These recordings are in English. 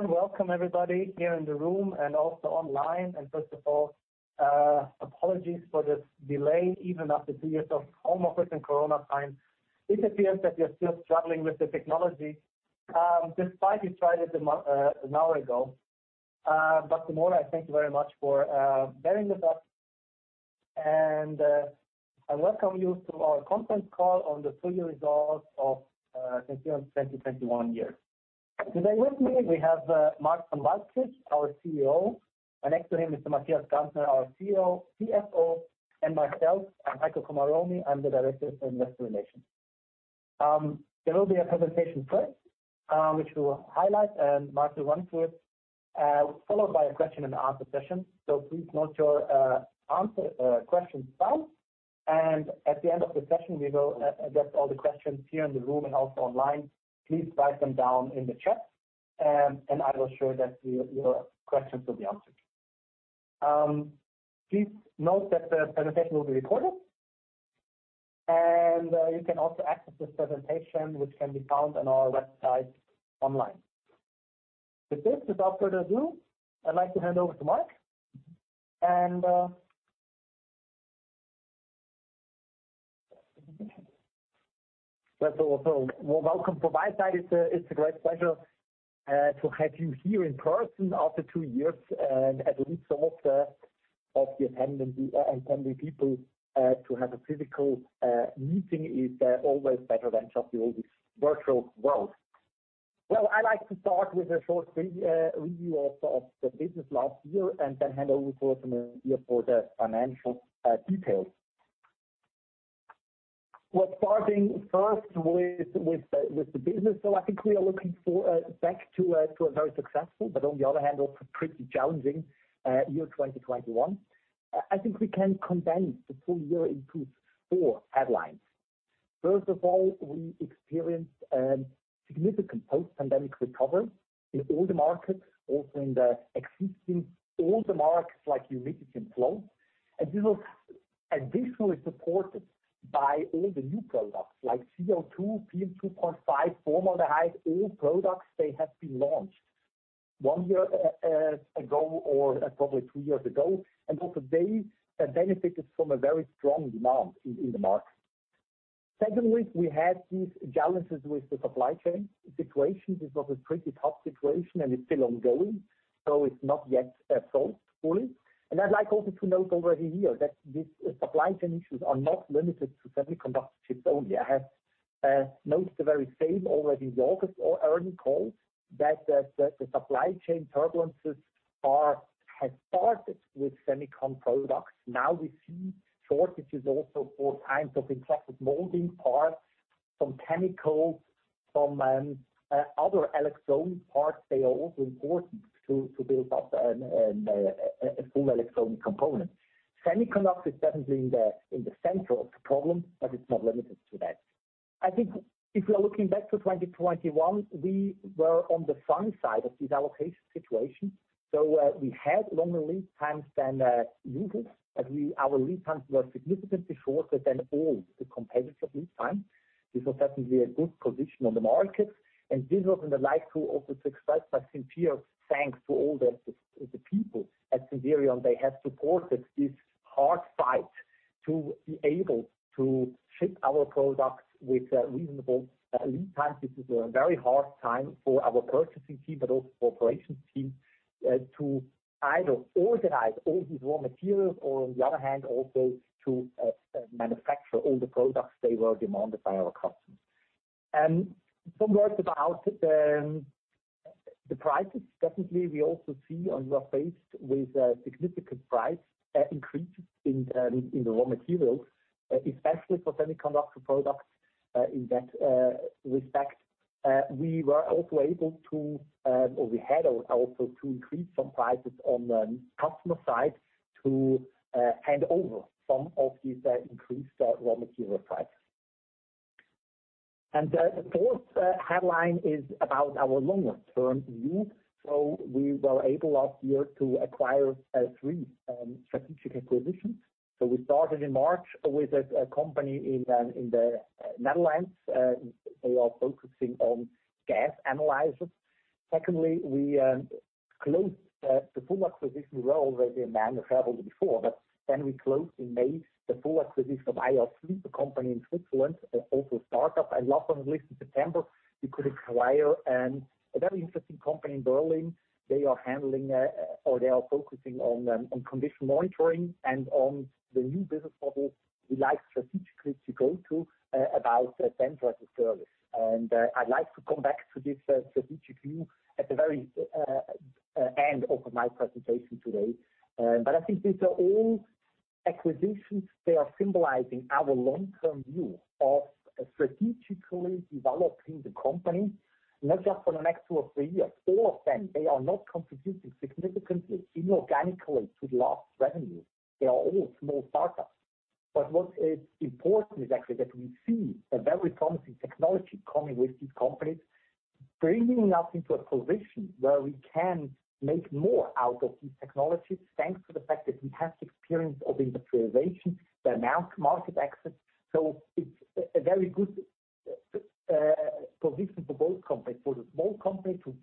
Warm welcome everybody here in the room and also online. First of all, apologies for this delay even after two years of home office and corona time. It appears that we are still struggling with the technology, despite we tried it an hour ago. Moreover, I thank you very much for bearing with us. I welcome you to our conference call on the full year results of 2021. Today with me we have Marc von Waldkirch, our CEO, and next to him is Matthias Gantner, our CFO, and myself. I'm Heiko Komaromi. I'm the director for Investor Relations. There will be a presentation first, which will highlight and Marc will run through it, followed by a question and answer session. Please note your questions down, and at the end of the session, we will address all the questions here in the room and also online. Please write them down in the chat, and I will ensure that your questions will be answered. Please note that the presentation will be recorded, and you can also access this presentation, which can be found on our website online. With this, without further ado, I'd like to hand over to Marc von Waldkirch. Welcome from my side. It's a great pleasure to have you here in person after two years, and at least also of the attending people to have a physical meeting is always better than just all this virtual world. I like to start with a short review of the business last year, and then hand over to Matthias for the financial details. Starting first with the business. I think we are looking back to a very successful, but on the other hand, also pretty challenging year 2021. I think we can condense the full year into four headlines. First of all, we experienced significant post-pandemic recovery in all the markets, also in the existing older markets like humidity and flow. This was additionally supported by all the new products like CO2, PM2.5, formaldehyde, all products they have been launched one year ago or probably two years ago. They also benefited from a very strong demand in the market. Secondly, we had these challenges with the supply chain situation. This was a pretty tough situation, and it's still ongoing, so it's not yet solved fully. I'd like also to note already here that these supply chain issues are not limited to semiconductor chips only. I have noted the very same already in the August earnings call that the supply chain turbulences had started with semicon products. Now we see shortages also for kinds of injection molding parts, some chemicals, some other electronic parts. They are also important to build up a full electronic component. Semiconductor is certainly in the center of the problem, but it's not limited to that. I think if we are looking back to 2021, we were on the fun side of this allocation situation. We had longer lead times than users, and our lead times were significantly shorter than all the competitors' lead times. This was certainly a good position on the market, and this was in the light of the success by Sensirion, thanks to all the people at Sensirion. They have supported this hard fight to be able to ship our products with reasonable lead times. This is a very hard time for our purchasing team, but also for operations team, to either organize all these raw materials or on the other hand, also to manufacture all the products that were demanded by our customers. Some words about the prices. Definitely we also see and we are faced with significant price increases in the raw materials, especially for semiconductor products, in that respect. We had also to increase some prices on the customer side to hand over some of these increased raw material prices. The fourth headline is about our longer-term view. We were able last year to acquire three strategic acquisitions. We started in March with a company in the Netherlands. They are focusing on gas analyzers. Secondly, we closed the full acquisition. We were already a manufacturer before, but then we closed in May the full acquisition of IRsweep, the company in Switzerland, also a startup. Last on the list in September, we could acquire a very interesting company in Berlin. They are handling or they are focusing on condition monitoring and on the new business model we like strategically to go to about Sensor as a Service. I'd like to come back to this strategic view at the very end of my presentation today. I think these are all acquisitions that are symbolizing our long-term view of strategically developing the company, not just for the next 2 or 3 years. All of them, they are not contributing significantly inorganically to last revenue. They are all small startups. What is important is actually that we see a very promising technology coming with these companies, bringing us into a position where we can make more out of these technologies, thanks to the fact that we have experience of industrialization, the market access. It's a very good for this and for both companies, for the small company to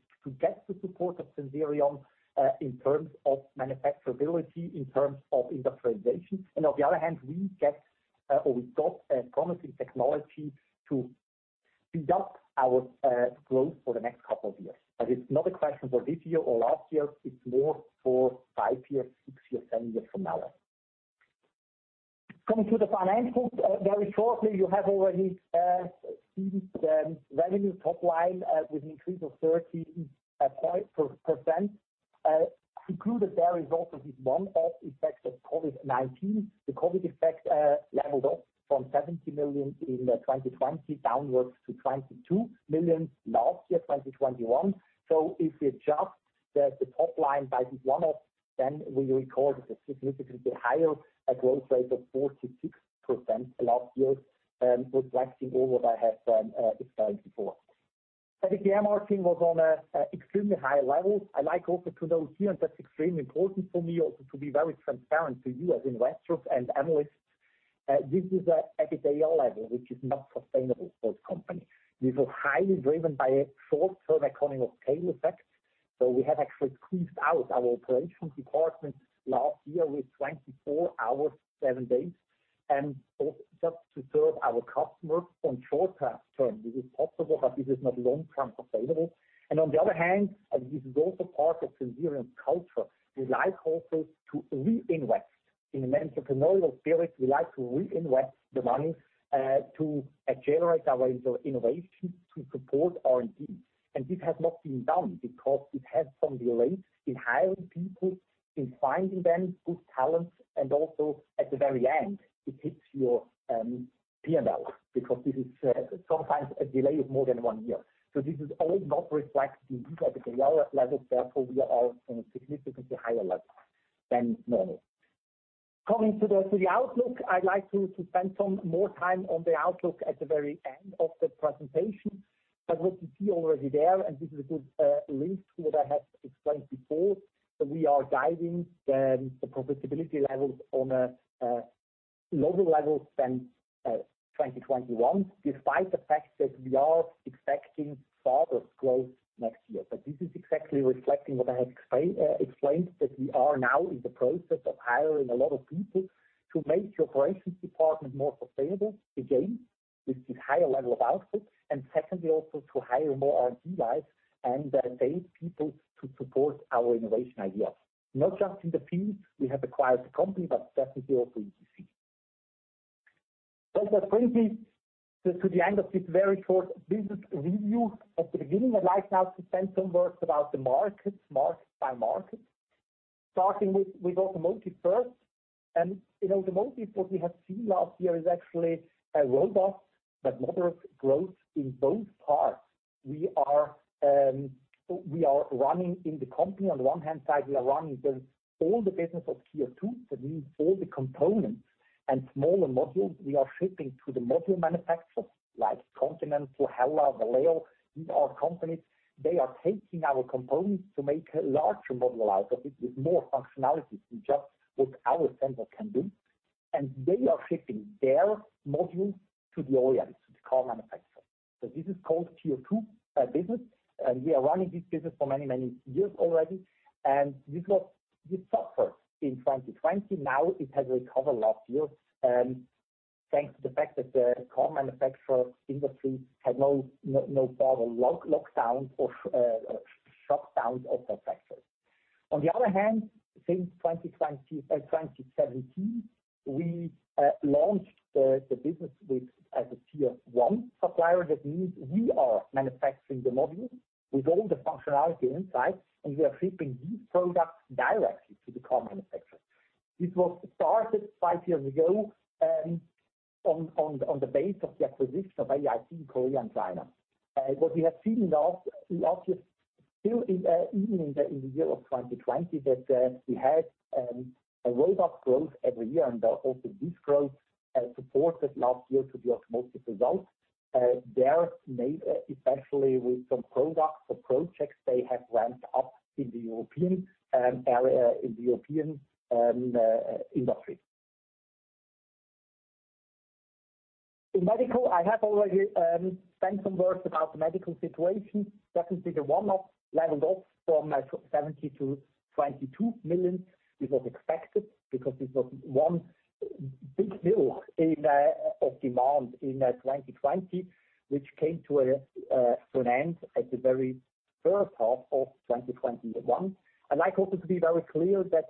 get the support of Sensirion, in terms of manufacturability, in terms of industrialization. On the other hand, we got a promising technology to speed up our growth for the next couple of years. It's not a question for this year or last year, it's more for 5 years, 6 years, 10 years from now. Coming to the financials, very shortly, you have already seen the revenue top line with an increase of 13%. Included there is also this one-off effect of COVID-19. The COVID effect leveled off from 70 million in 2020 downwards to 22 million last year, 2021. If you adjust the top line by this one-off, then we record a significantly higher growth rate of 46% last year, reflecting all what I have explained before. EBITDA margin was on an extremely high level. I like also to note here, and that's extremely important for me also to be very transparent to you as investors and analysts, this is an EBITDA level, which is not sustainable for the company. This was highly driven by a short-term economy of scale effect. We have actually scaled up our operations department last year with 24 hours, 7 days, and also just to serve our customers in short term. This is possible, but this is not long-term sustainable. On the other hand, and this is also part of Sensirion culture, we like also to reinvest. In an entrepreneurial spirit, we like to reinvest the money to generate our ways of innovation to support R&D. This has not been done because it has some delays in hiring people, in finding them, good talents, and also at the very end it hits your P&L because this is sometimes a delay of more than 1 year. This is all not reflected in the EBITDA level. Therefore, we are on a significantly higher level than normal. Coming to the outlook. I'd like to spend some more time on the outlook at the very end of the presentation. What you see already there, and this is a good link to what I have explained before, that we are guiding the profitability levels on a lower level than 2021, despite the fact that we are expecting further growth next year. This is exactly reflecting what I have explained that we are now in the process of hiring a lot of people to make the operations department more sustainable again with this higher level of output. Secondly, also to hire more R&D guys and data people to support our innovation ideas, not just in the fields we have acquired the company, but certainly also etc. That brings me to the end of this very short business review at the beginning. I'd like now to spend some words about the markets, market by market starting with automotive first. In automotive what we have seen last year is actually a robust but moderate growth in both parts. We are running in the company on one hand side we are running all the business of Tier 2. That means all the components and smaller modules we are shipping to the module manufacturers like Continental, Hella, Valeo, these are companies. They are taking our components to make a larger module out of it with more functionalities than just what our sensors can do. They are shipping their modules to the OEMs, to the car manufacturers. This is called Tier 2 business, and we are running this business for many, many years already. This suffered in 2020. Now it has recovered last year, thanks to the fact that the car manufacturer industry had no further lockdown or shutdowns of their factories. On the other hand, since 2017 we launched the business as a Tier 1 supplier. That means we are manufacturing the module with all the functionality inside and we are shipping these products directly to the car manufacturer. This was started 5 years ago on the basis of the acquisition of AIT in Korea and China. What we have seen in the last year, still even in the year of 2020, that we had a robust growth every year. Also this growth has supported last year to the automotive results. Especially with some products or projects they have ramped up in the European area, in the European industry. In medical I have already spent some words about the medical situation. Certainly the one-off leveled off from 70 million-22 million. This was expected because this was one big bill in of demand in 2020 which came to a an end at the very first half of 2021. I'd like also to be very clear that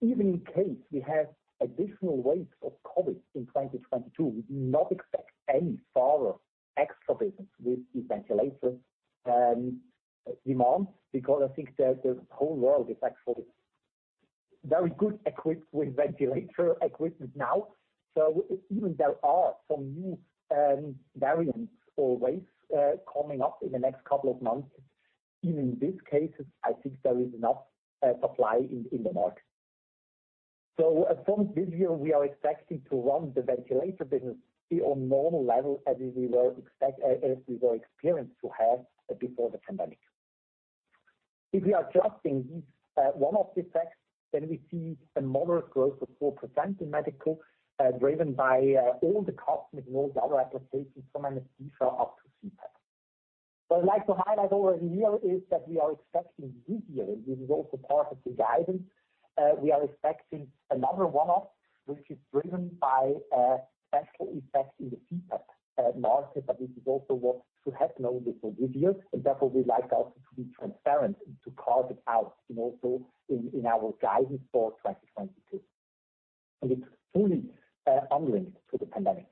even in case we have additional waves of COVID in 2022, we do not expect any further extra business with these ventilator demands because I think the whole world is actually very good equipped with ventilator equipment now. Even there are some new variants or waves coming up in the next couple of months. Even in these cases, I think there is enough supply in the market. From this year we are expecting to run the ventilator business back on normal level as we were experienced to have before the pandemic. If we are adjusting these one-off effects, then we see a moderate growth of 4% in medical, driven by all the cosmetic and all other applications from anesthesia up to CPAP. What I'd like to highlight over here is that we are expecting this year, this is also part of the guidance, we are expecting another one-off, which is driven by a special effect in the CPAP market, but this is also what should happen over the years, and therefore, we like also to be transparent and to call it out, you know, in our guidance for 2022. It's fully unlinked to the pandemic.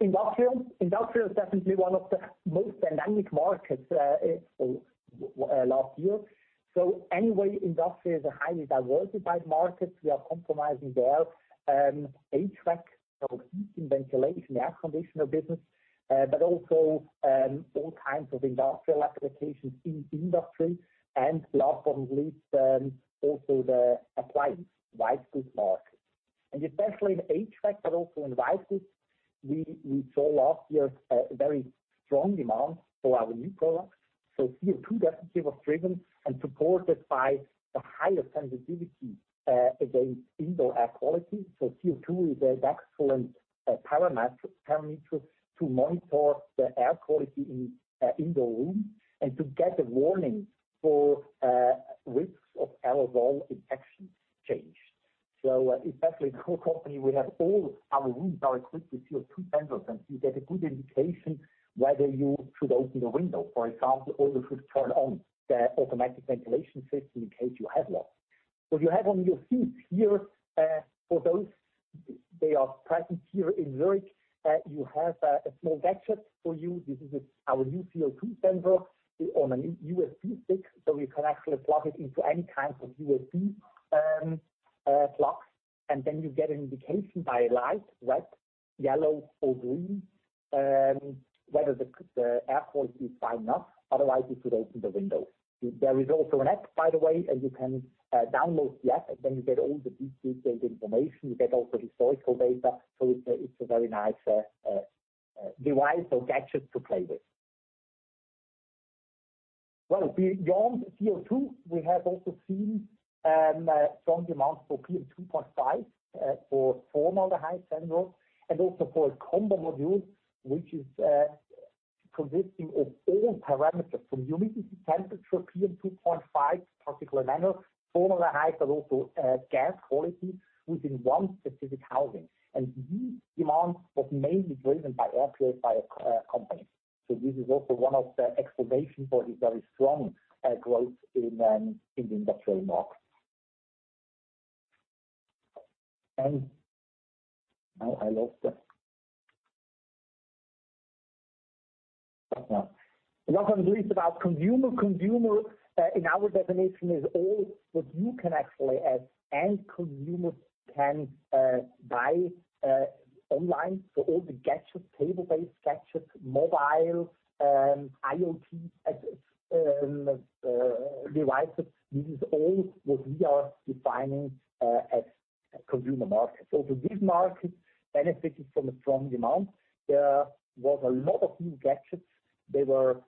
Industrial. Industrial is definitely one of the most dynamic markets last year. Industrial is a highly diversified market. We are competing there in HVAC, so heating, ventilation, air conditioner business, but also all kinds of industrial applications in industry and last but not least also the appliance, white goods market. Especially in HVAC, but also in white goods, we saw last year a very strong demand for our new products. CO2 definitely was driven and supported by the higher sensitivity against indoor air quality. CO2 is an excellent parameter to monitor the air quality in indoor room and to get a warning for risks of aerosol infection chains. Especially the whole company, we have all our rooms are equipped with CO2 sensors, and you get a good indication whether you should open a window, for example, or you should turn on the automatic ventilation system in case you have one. You have on your seats here, for those they are present here in Zurich, you have a small gadget for you. This is our new CO2 sensor on a USB stick, so you can actually plug it into any kind of USB plug. And then you get an indication by a light, red, yellow or green, whether the air quality is fine enough. Otherwise, you could open the window. There is also an app, by the way, and you can download the app, and then you get all the detailed information. You get also historical data. It's a very nice device or gadget to play with. Beyond CO2, we have also seen strong demand for PM2.5 for formaldehyde sensors and also for a combo module which is consisting of all parameters from humidity, temperature, PM2.5, particulate matter, formaldehyde, but also gas quality within one specific housing. This demand was mainly driven by air purifier companies. This is also one of the explanations for this very strong growth in the industrial market. Now I lost it. No. Last but not least about consumer. Consumer, in our definition, is all what you can actually end consumer can buy online. All the gadgets, table-based gadgets, mobile, IoT devices, this is all what we are defining as consumer market. This market benefited from a strong demand. There was a lot of new gadgets. They were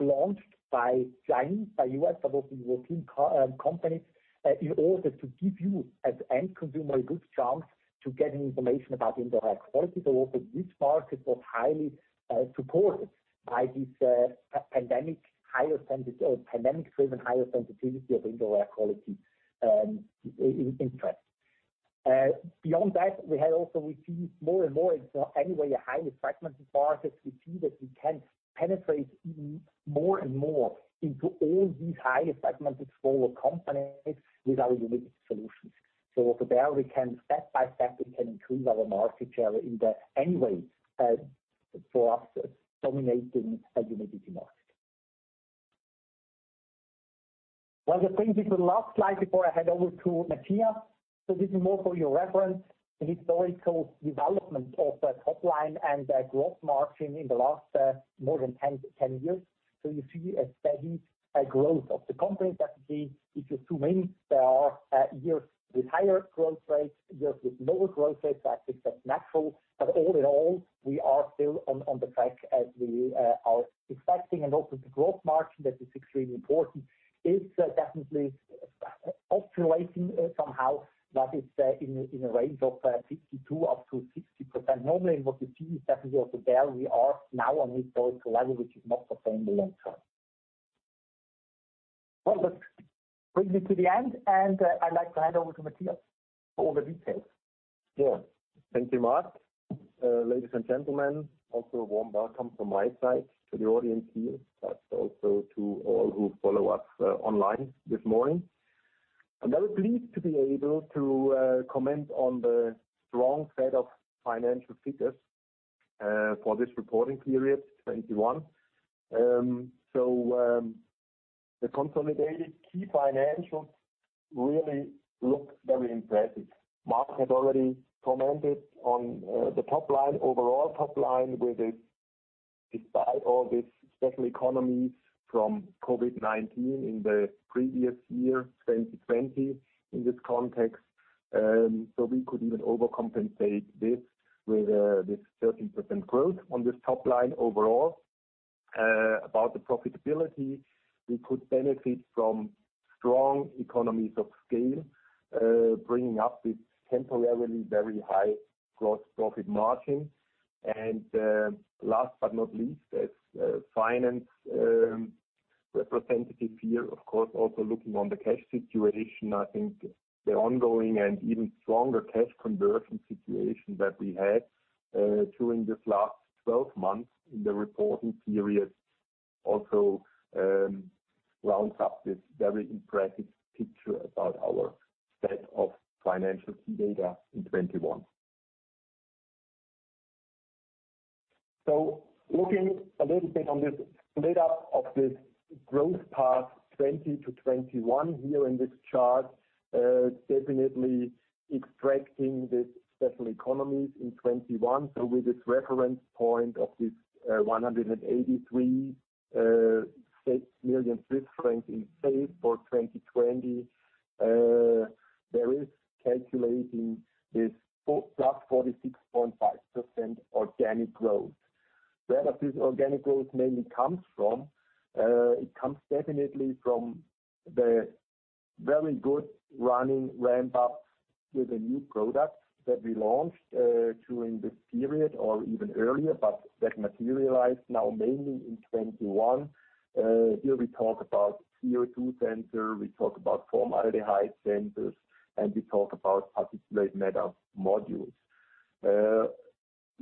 launched by Chinese, by US, but also European companies in order to give you as end consumer a good chance to get information about indoor air quality. Also this market was highly supported by this pandemic-driven higher sensitivity of indoor air quality interest. Beyond that, we had also received more and more, it's anyway a highly fragmented market. We see that we can penetrate even more and more into all these highly fragmented smaller companies with our humidity solutions. There we can step by step, we can increase our market share in any way for us dominating the humidity market. Well, bringing you to the last slide before I hand over to Matthias. This is more for your reference, the historical development of the top line and the gross margin in the last more than 10 years. You see a steady growth of the company. Definitely, if you zoom in, there are years with higher growth rates, years with lower growth rates. That is just natural. All in all, we are still on the track as we are expecting. Also the gross margin that is extremely important is definitely oscillating somehow, but it's in a range of 62%-60%. Normally, what you see is definitely also there, we are now on historical level, which is not sustainable long term. Well, that brings me to the end, and I'd like to hand over to Matthias for all the details. Yeah. Thank you, Marc. Ladies and gentlemen, also a warm welcome from my side to the audience here, but also to all who follow us online this morning. I was pleased to be able to comment on the strong set of financial figures for this reporting period, 2021. The consolidated key financials really look very impressive. Marc had already commented on the top line, overall top line. Despite all this special economy from COVID-19 in the previous year, 2020, in this context, we could even overcompensate this with this 13% growth on this top line overall. About the profitability, we could benefit from strong economies of scale, bringing up this temporarily very high gross profit margin. Last but not least, as a finance representative here, of course, also looking on the cash situation. I think the ongoing and even stronger cash conversion situation that we had during this last 12 months in the reporting period also rounds up this very impressive picture about our set of financial key data in 2021. Looking a little bit on this split up of this growth path, 2020 to 2021 here in this chart, definitely extracting this special economies in 2021. With this reference point of this 183 million Swiss francs in sales for 2020, there is calculating this +46.5% organic growth. Where does this organic growth mainly comes from? It comes definitely from the very good running ramp up with the new products that we launched during this period or even earlier, but that materialized now mainly in 2021. Here we talk about CO2 sensor, we talk about formaldehyde sensors, and we talk about particulate matter modules.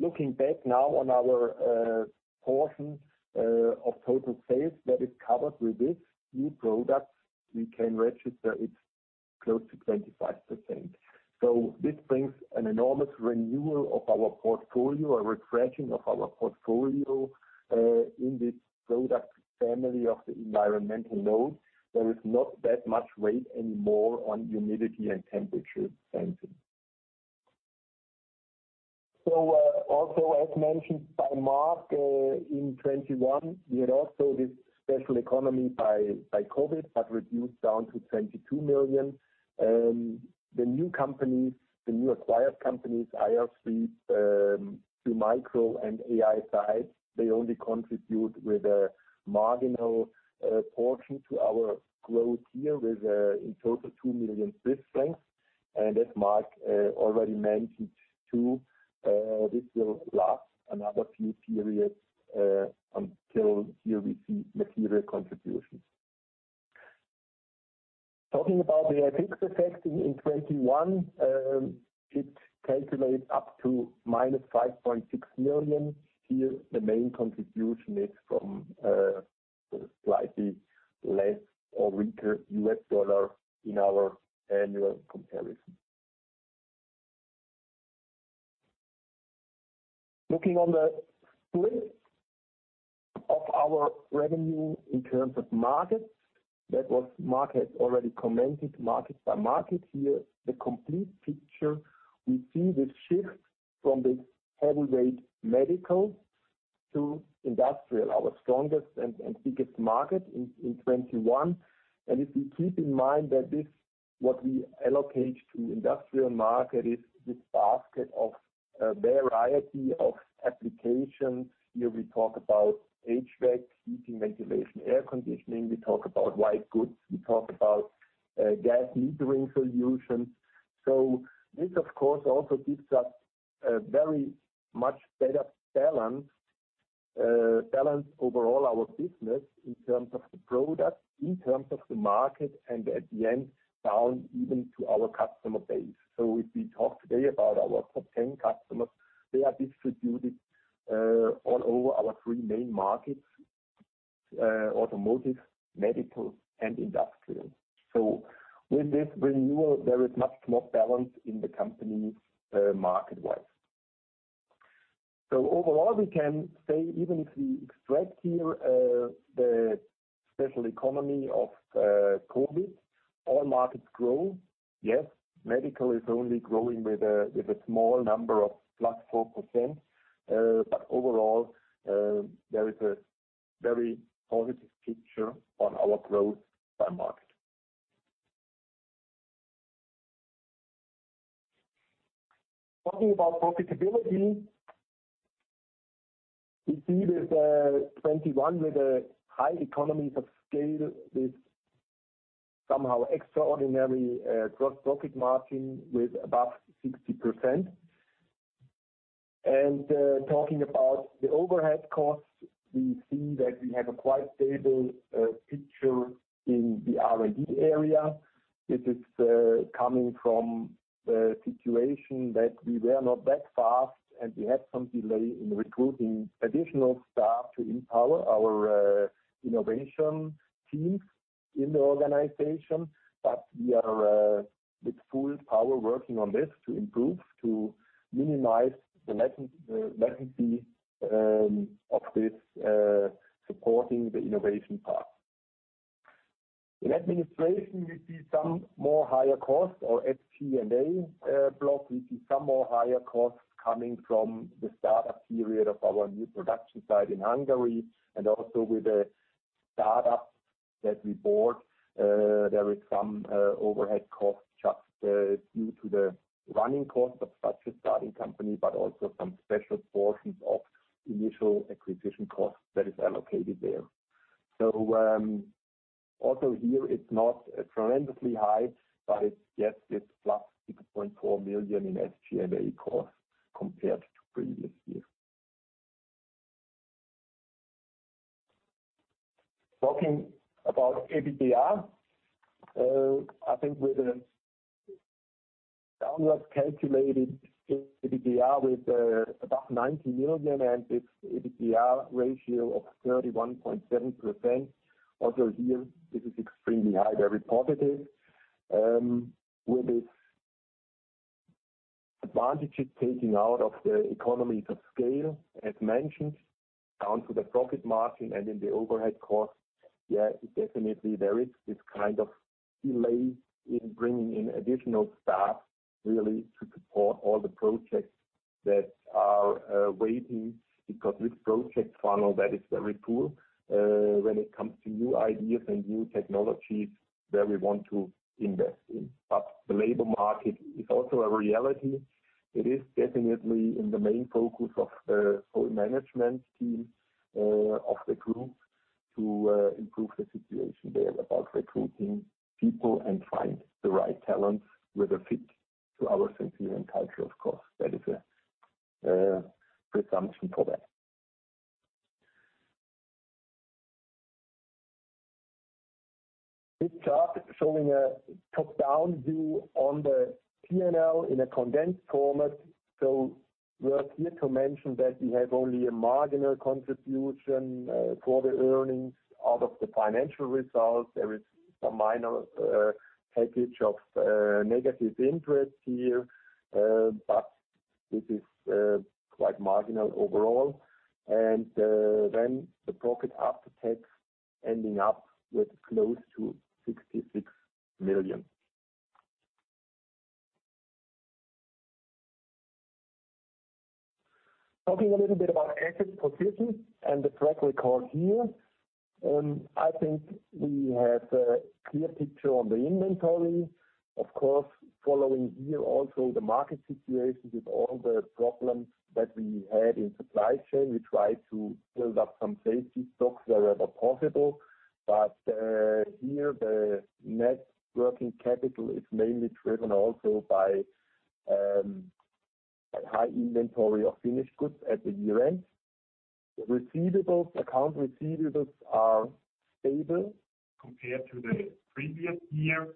Looking back now on our portion of total sales that is covered with this new products, we can register it's close to 25%. This brings an enormous renewal of our portfolio, a refreshing of our portfolio in this product family of the environmental sensors. There is not that much weight anymore on humidity and temperature sensing. Also as mentioned by Marc, in 2021, we had also this special economic boost by COVID-19, but reduced down to 22 million. The new companies, the new acquired companies, IRsweep, Qmicro and AiSight, they only contribute with a marginal portion to our growth here with in total 2 million Swiss francs. As Marc already mentioned too, this will last another few periods until here we see material contributions. Talking about the FX effect in 2021, it calculates up to -5.6 million. Here the main contribution is from slightly less or weaker U.S. dollar in our annual comparison. Looking at the split of our revenue in terms of markets, Marc had already commented market by market. Here the complete picture, we see this shift from this heavyweight medical to industrial, our strongest and biggest market in 2021. If we keep in mind that this, what we allocate to industrial market is this basket of a variety of applications. Here we talk about HVAC, heating, ventilation, air conditioning. We talk about white goods. We talk about gas metering solutions. This of course also gives us a very much better balance overall our business in terms of the product, in terms of the market, and at the end down even to our customer base. If we talk today about our top 10 customers, they are distributed all over our three main markets, automotive, medical and industrial. With this renewal, there is much more balance in the company, market-wise. Overall, we can say even if we extract here the special economy of COVID, all markets grow. Yes, medical is only growing with a small number of +4%. Overall, there is a very positive picture on our growth by market. Talking about profitability, we see that 2021 with high economies of scale with somehow extraordinary gross profit margin above 60%. Talking about the overhead costs, we see that we have a quite stable picture in the R&D area. This is coming from the situation that we were not that fast, and we had some delay in recruiting additional staff to empower our innovation teams in the organization. We are with full power working on this to improve, to minimize the vacancy of this supporting the innovation part. In administration we see somewhat higher costs in the SG&A block. We see some more higher costs coming from the startup period of our new production site in Hungary and also with the startup that we bought, there is some overhead cost just due to the running cost of such a starting company, but also some special portions of initial acquisition costs that is allocated there. Also here, it's not tremendously high, but it's + 6.4 million in SG&A costs compared to previous year. Talking about EBITDA, I think with the downward calculated EBITDA with about 90 million and this EBITDA ratio of 31.7%. Also here, this is extremely high, very positive, with its advantages taking out of the economies of scale as mentioned, down to the profit margin and in the overhead costs. Yeah, definitely there is this kind of delay in bringing in additional staff really to support all the projects that are waiting because this project funnel that is very poor when it comes to new ideas and new technologies that we want to invest in. The labor market is also a reality. It is definitely in the main focus of our management team of the group to improve the situation there about recruiting people and find the right talents with a fit to our Sensirion culture, of course. That is a presumption for that. This chart showing a top-down view on the P&L in a condensed format. We're here to mention that we have only a marginal contribution for the earnings. Out of the financial results, there is a minor package of negative interest here, but this is quite marginal overall. Then the profit after tax ending up with close to 66 million. Talking a little bit about asset position and the track record here. I think we have a clear picture on the inventory. Of course, following here also the market situation with all the problems that we had in supply chain. We tried to build up some safety stocks wherever possible. Here the net working capital is mainly driven also by a high inventory of finished goods at the year-end. Accounts receivable are stable compared to the previous year.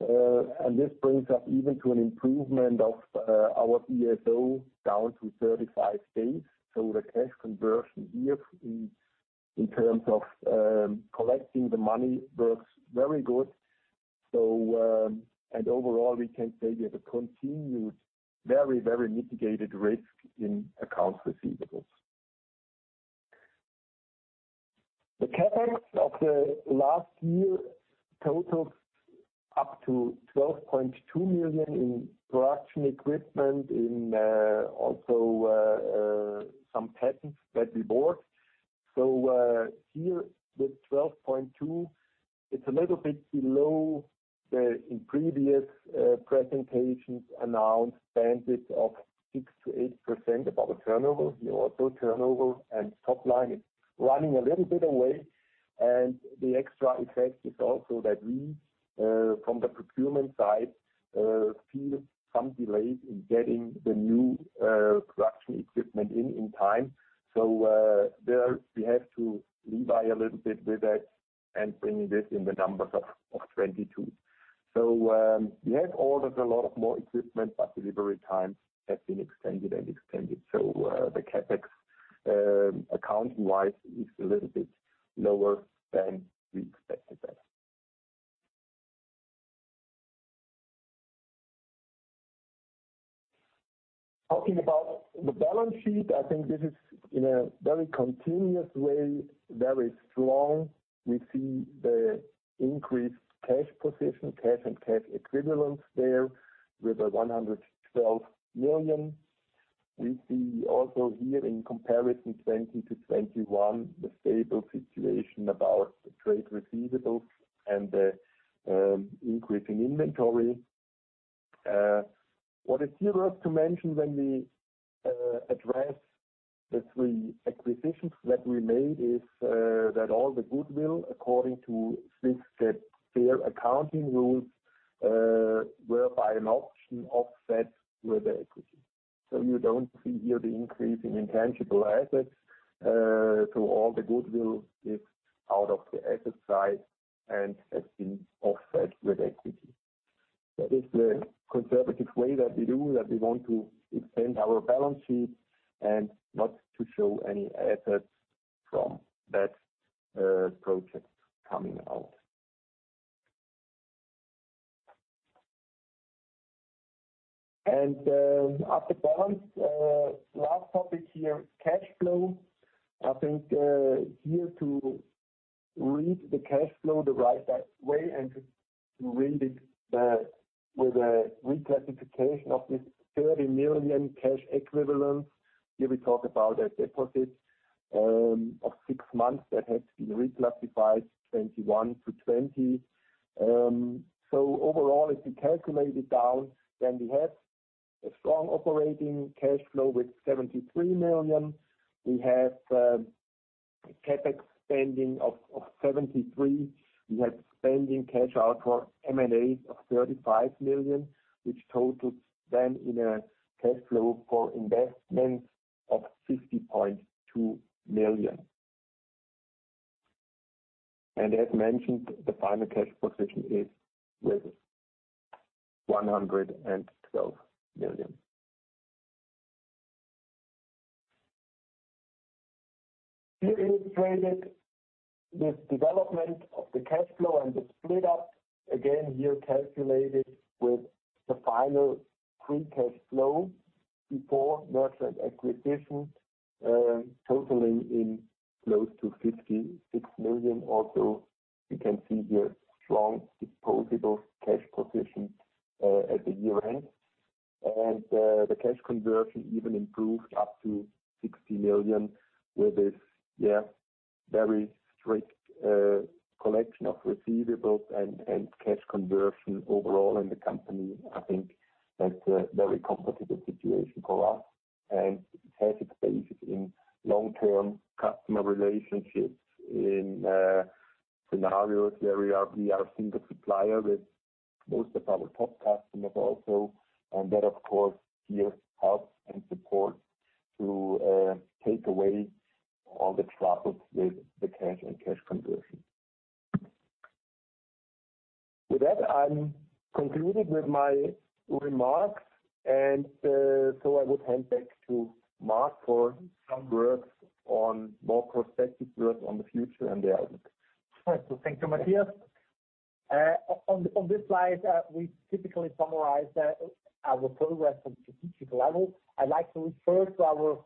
This brings us even to an improvement of our DSO down to 35 days. The cash conversion here in terms of collecting the money works very good. Overall, we can say we have a continued very mitigated risk in accounts receivable. The CapEx of the last year totals up to 12.2 million in production equipment, also some patents that we bought. Here with 12.2, it's a little bit below the previous presentations announced bandwidth of 6%-8% above the turnover. Here also turnover and top line is running a little bit away. The extra effect is also that we, from the procurement side, feel some delays in getting the new production equipment in time. There we have to revise a little bit with that and bringing this into the numbers of 2022. We have ordered a lot more equipment, but delivery times have been extended. The CapEx, accounting-wise, is a little bit lower than we expected that. Talking about the balance sheet, I think this is in a very continuous way, very strong. We see the increased cash position, cash and cash equivalents there with 100 million. We see also here in comparison 2020 to 2021, the stable situation about the trade receivables and the increase in inventory. What is here worth to mention when we address the three acquisitions that we made is that all the goodwill according to Swiss GAAP FER were by an option offset with the equity. You don't see here the increase in intangible assets, so all the goodwill is out of the asset side and has been offset with equity. That is the conservative way that we do, that we want to extend our balance sheet and not to show any assets from that project coming out. At the balance last topic here, cash flow. I think here to read the cash flow the right way and to unwind it with a reclassification of this 30 million cash equivalents. Here we talk about a deposit of six months that had to be reclassified 2021 to 2020. Overall, if you calculate it down, then we have a strong operating cash flow with 73 million. We have CapEx spending of 73 million. We had spending cash out for M&A of 35 million, which totals then in a cash flow for investments of CHF 60.2 million. As mentioned, the final cash position is with 112 million. Here illustrated this development of the cash flow and the split up. Again here calculated with the final free cash flow before M&A, totaling in close to 56 million or so. You can see here strong disposable cash position at the year end. The cash conversion even improved up to 60 million with this, very strict collection of receivables and cash conversion overall in the company. I think that's a very competitive situation for us, and it has its basis in long-term customer relationships in scenarios where we are a single supplier with most of our top customers also. That of course here helps and supports to take away all the troubles with the cash and cash conversion. With that, I'm concluded with my remarks and so I would hand back to Marc for some more perspective on the future and the outlook. Thank you, Matthias. On this slide, we typically summarize our progress on strategic level. I'd like to refer to our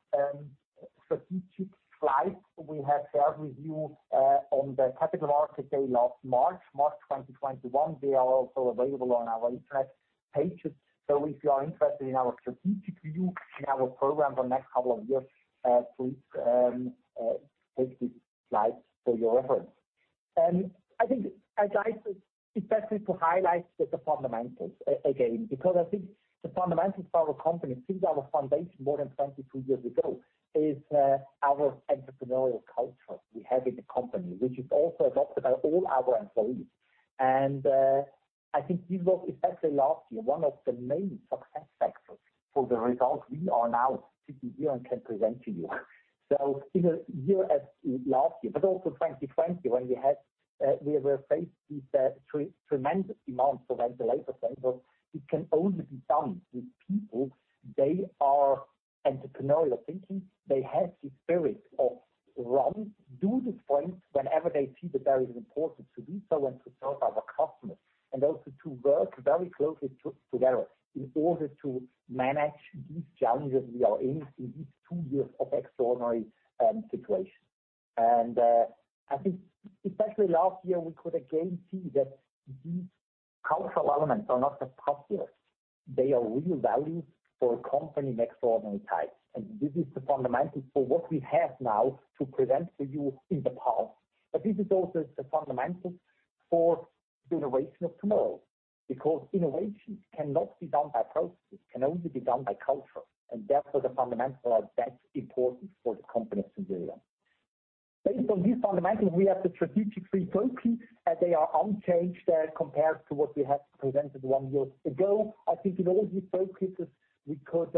strategic slides we have shared with you on the Capital Markets Day last March 2021. They are also available on our investor pages. If you are interested in our strategic review in our program for next couple of years, please take these slides for your reference. I think it's the best way to highlight the fundamentals again, because I think the fundamentals for our company since our foundation more than 22 years ago is our entrepreneurial culture we have in the company, which is also adopted by all our employees. I think this was, especially last year, one of the main success factors for the results we are now sitting here and can present to you. In this year as last year, but also 2020 when we were faced with tremendous demands for ventilator sensors, it can only be done with people who have entrepreneurial thinking. They have the spirit to run and do the things whenever they see that is important to do so and to serve our customers. And also to work very closely together in order to manage these challenges we are in in these two years of extraordinary situation. I think especially last year, we could again see that these cultural elements are not just popular. They are real value for a company in extraordinary times. This is the fundamentals for what we have now to present to you in the past. This is also the fundamentals for the innovation of tomorrow, because innovations cannot be done by processes, can only be done by culture, and therefore the fundamentals are that important for the company Sensirion. Based on these fundamentals, we have the strategic three focus, and they are unchanged, compared to what we have presented one year ago. I think in all these focuses we could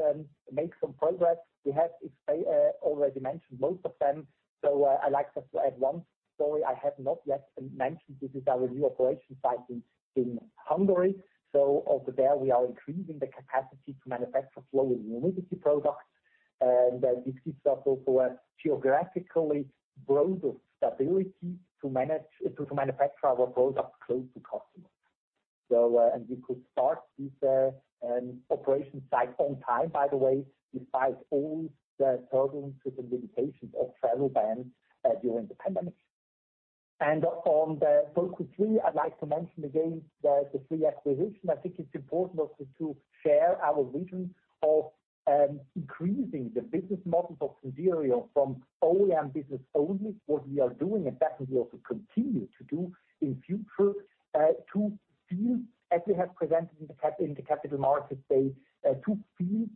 make some progress. We have already mentioned most of them. I'd like just to add one story I have not yet mentioned. This is our new operation site in Hungary. Over there, we are increasing the capacity to manufacture flow and humidity products. This gives us also a geographically broader stability to manage to manufacture our products close to customers. We could start this operation site on time, by the way, despite all the struggles with the limitations of travel bans during the pandemic. On the focus three, I'd like to mention again the three acquisitions. I think it's important also to share our vision of increasing the business models of Sensirion from OEM business only, what we are doing and that we also continue to do in future, to field as we have presented in the Capital Markets Day, to field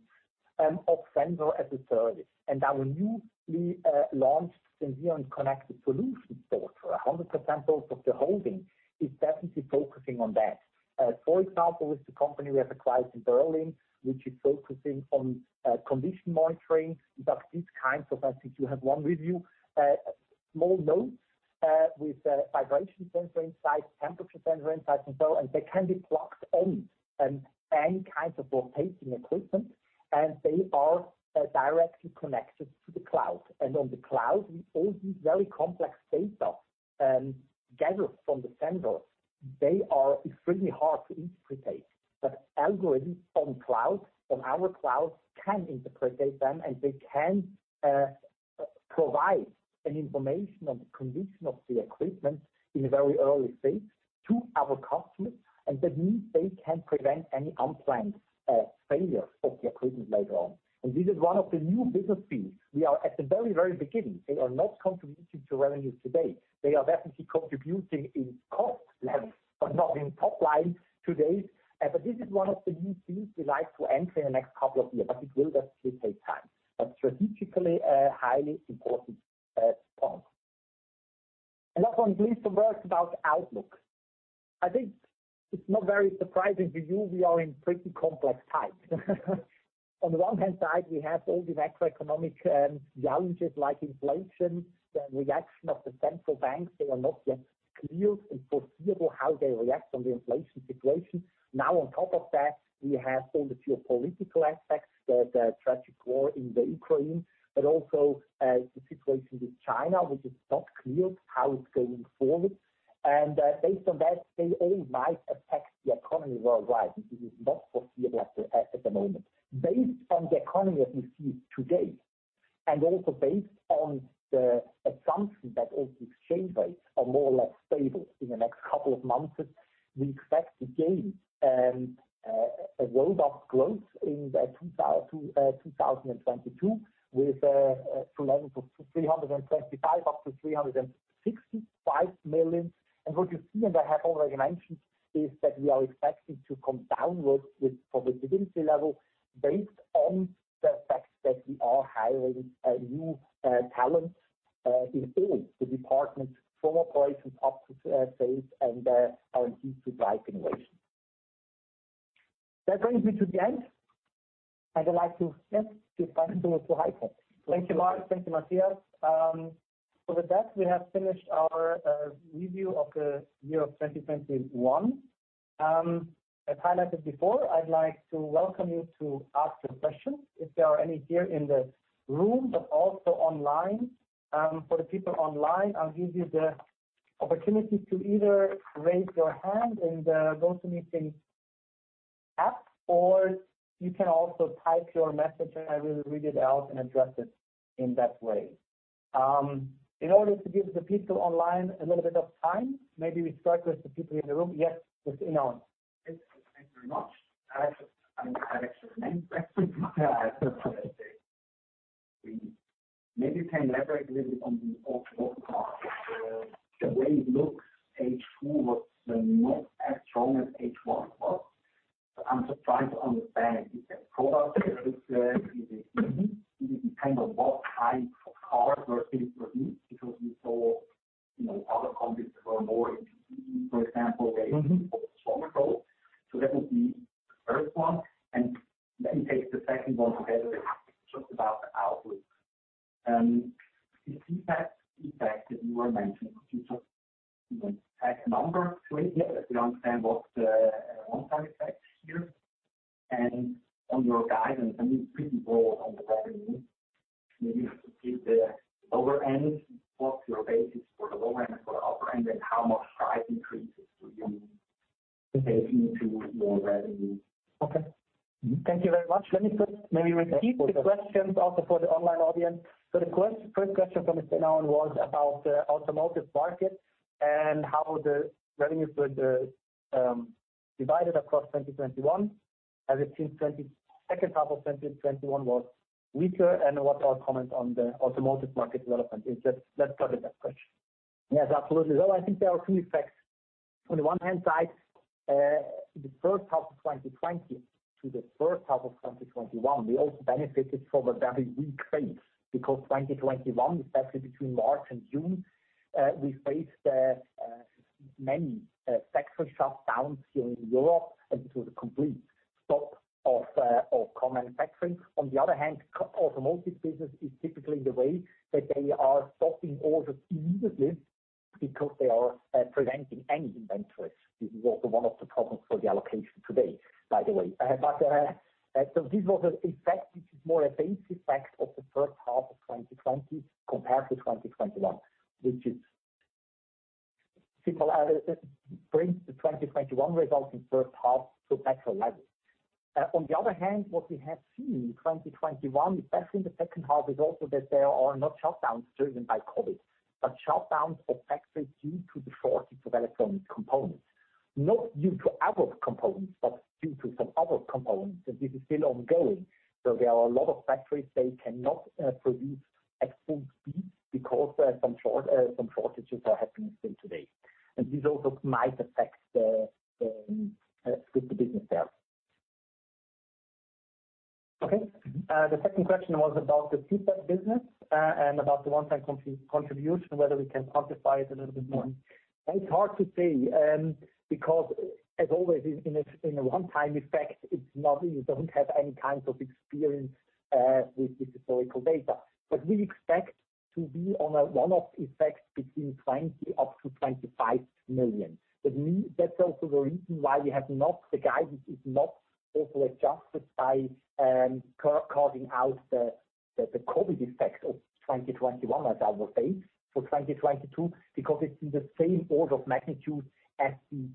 Sensor as a Service. Our newly launched Sensirion Connected Solutions, 100% owned by the holding, is definitely focusing on that. For example, with the company we have acquired in Berlin, which is focusing on condition monitoring. These are kinds of, I think you have one with you, small nodes with a vibration sensor inside, temperature sensor inside, and so on, and they can be plugged in any kinds of rotating equipment, and they are directly connected to the cloud. On the cloud, with all these very complex data gathered from the sensors, they are extremely hard to interpret. Algorithms on cloud, on our cloud can interpret them, and they can provide an information on the condition of the equipment in a very early stage to our customers, and that means they can prevent any unplanned failure of the equipment later on. This is one of the new business fields. We are at the very, very beginning. They are not contributing to revenues today. They are definitely contributing in cost levels, but not in top line today. This is one of the new fields we like to enter in the next couple of years, but it will definitely take time, but strategically, a highly important point. Last one, please, the words about outlook. I think it's not very surprising to you, we are in pretty complex times. On the one hand side, we have all the macroeconomic challenges like inflation, the reaction of the central banks. They are not yet clear and foreseeable how they react on the inflation situation. Now on top of that, we have all the geopolitical aspects, the tragic war in the Ukraine, but also, the situation with China, which is not clear how it's going forward. based on that, they all might affect the economy worldwide, which is not foreseeable at the moment. Based on the economy as we see it today, and also based on the assumption that all the exchange rates are more or less stable in the next couple of months, we expect to gain a robust growth in the 2022 with to levels of 325 million-365 million. What you see, and I have already mentioned, is that we are expecting to come downwards from the dividend level based on the fact that we are hiring new talent in all the departments from operations up to sales and R&D to drive innovation. That brings me to the end, and I'd like to hand to Heiko. Thank you, Marc. Thank you, Matthias. With that, we have finished our review of the year of 2021. As highlighted before, I'd like to welcome you to ask the questions if there are any here in the room, but also online. For the people online, I'll give you the opportunity to either raise your hand in the GoTo Meeting app, or you can also type your message and I will read it out and address it in that way. In order to give the people online a little bit of time, maybe we start with the people in the room. Yes, Karan Inan. Yes. Thank you very much. I actually have two questions. Maybe you can elaborate a little bit on the automotive part. The way it looks, H2 was not as strong as H1 was. I'm just trying to understand is there product mix? Is it demand? Is it kind of what type of cars were being produced? Because we saw, you know, other companies that were more into EV, for example, they also saw more growth. That would be the first one. Let me take the second one together, just about the outlook. The feedback that you were mentioning, could you just, you know, add a number to it so that we understand what the one-time effects here. On your guidance, I mean, it's pretty broad on the revenue. Maybe you have to give the lower end. What's your basis for the lower end and for the upper end, and how much price increases do you anticipate into your revenue? Okay. Thank you very much. Let me first maybe repeat the questions also for the online audience. The first question from Karan Inan was about the automotive market and how the revenues were divided across 2021. The second half of 2021 was weaker, and what are our comments on the automotive market development? Let's cover that question. Yes, absolutely. Well, I think there are two effects. On the one hand, the first half of 2020 to the first half of 2021, we also benefited from a very weak base. Because 2021, especially between March and June, we faced many factory shutdowns here in Europe, and it was a complete stop of car manufacturing. On the other hand, the automotive business is typically the way that they are stopping orders immediately because they are preventing any inventories. This was one of the problems for the allocation today, by the way. This was an effect which is more a base effect of the first half of 2020 compared to 2021, which is similar. It brings the 2021 results in first half to better levels. On the other hand, what we have seen in 2021, especially in the second half, is also that there are not shutdowns driven by COVID, but shutdowns of factories due to the shortage of electronic components. Not due to our components, but due to some other components, and this is still ongoing. There are a lot of factories, they cannot produce at full speed because some shortages are happening still today. This also might affect the business there. Okay. The second question was about the feedback business and about the one-time contribution, whether we can quantify it a little bit more. It's hard to say, because as always in a one-time effect, it's nothing. You don't have any kind of experience with the historical data. We expect to be on a one-off effect between 20-25 million. That's also the reason why we have not adjusted the guidance by carving out the COVID effect of 2021, as I would say, for 2022, because it's in the same order of magnitude as the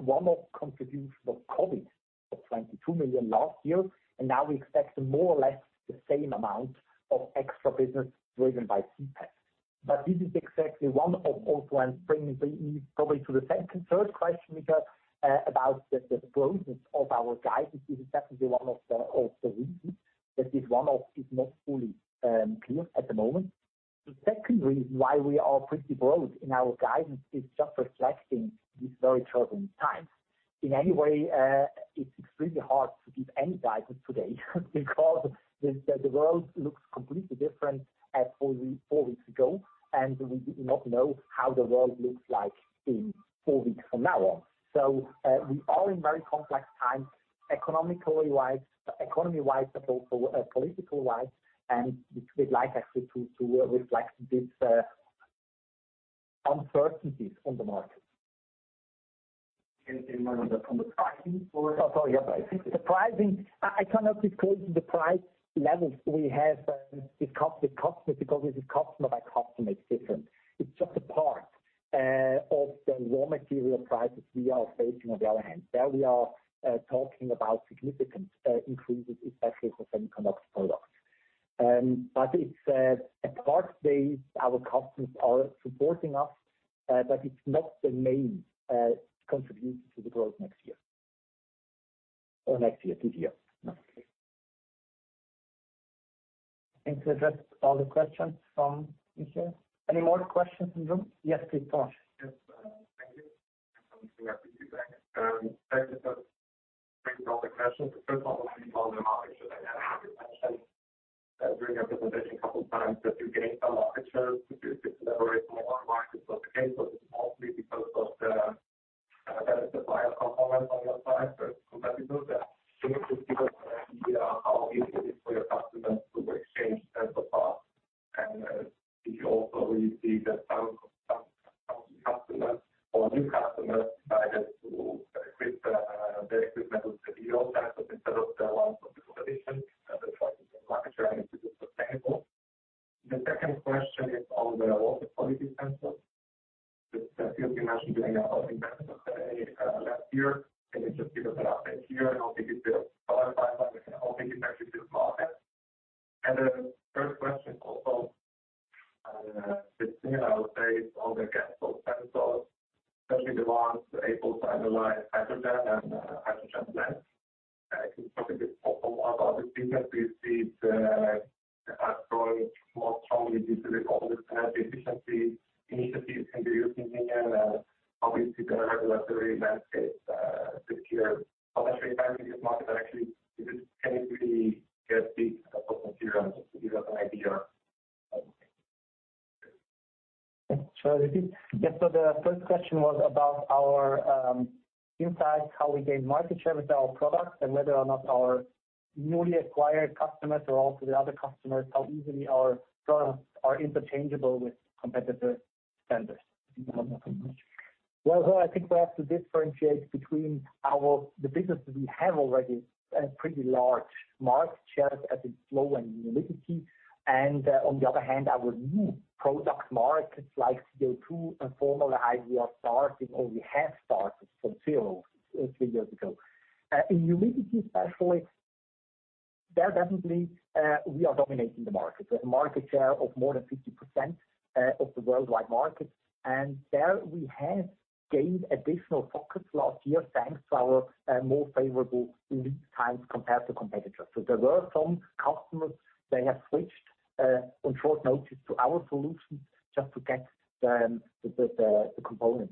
one-off contribution of COVID of 22 million last year, and now we expect more or less the same amount of extra business driven by CPAP. This is exactly one. Also brings me probably to the second, third question we got, about the broadness of our guidance. This is definitely one of the reasons that this one-off is not fully clear at the moment. The second reason why we are pretty broad in our guidance is just reflecting these very turbulent times. In any way, it's extremely hard to give any guidance today because the world looks completely different as four weeks ago, and we do not know how the world looks like in four weeks from now on. We are in very complex times, economy-wise, but also political-wise, and we'd like actually to reflect this uncertainties on the market. On the pricing for- Oh, sorry. Yes. The pricing, I cannot disclose the price levels we have discussed with customers because this is customer by customer, it's different. It's just a part of the raw material prices we are facing on the other hand. There we are talking about significant increases, especially for semiconductor products. But it's at present, as our customers are supporting us, but it's not the main contribution to the growth next year. Or next year, this year. I think we addressed all the questions from you, sir. Any more questions in the room? Yes, please, Paul. Yes, thank you. Thank you for bringing all the questions. The first one was on the market share. During your presentation a couple times that you gained some market share, particularly in the respiratory market. It's mostly because of the benefit of your component on your side versus competitors. Can you just give us an idea how easy it is for your customers to exchange sensors parts? And did you also receive that some customers or new customers decided to equip their equipment with your sensors instead of the ones of the competition? Is the second market trend sustainable? The second question is on the water quality sensors that you mentioned during our investment day last year. Can you just give us an update here and how big is the qualified pipeline and how big is actually the market? The third question also, this thing I would say is on the gas cell sensors, especially the ones able to analyze hydrogen and hydrogen blend. Can you talk a bit more about this business? We see it has grown more strongly due to the whole energy efficiency initiatives in the European Union, obviously the regulatory landscape this year. How much are you targeting this market and actually, can it really get big for Sensirion? Just to give us an idea. Sure. Yes. The first question was about our insights, how we gain market share with our products, and whether or not our newly acquired customers or also the other customers, how easily our products are interchangeable with competitor sensors. Well, I think we have to differentiate between the businesses we have already a pretty large market share as in flow and humidity. On the other hand, our new product markets like CO2 and formaldehyde, we are starting or we have started from zero, three years ago. In humidity especially, there definitely we are dominating the market. We have a market share of more than 50% of the worldwide market. There we have gained additional focus last year, thanks to our more favorable lead times compared to competitors. There were some customers. They have switched on short notice to our solutions just to get the component.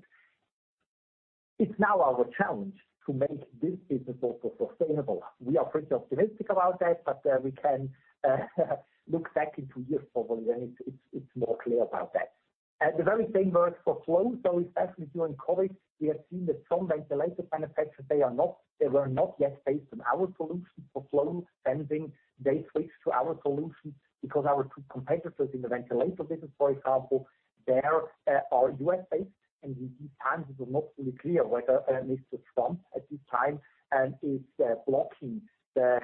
It's now our challenge to make this business also sustainable. We are pretty optimistic about that, but we can look back in two years probably when it's more clear about that. The very same works for flow, especially during COVID. We have seen that some ventilator manufacturers, they were not yet based on our solutions for flow sensing. They switched to our solutions because our two competitors in the ventilator business, for example, are U.S.-based, and in these times it was not really clear whether Mr. Trump at this time is blocking the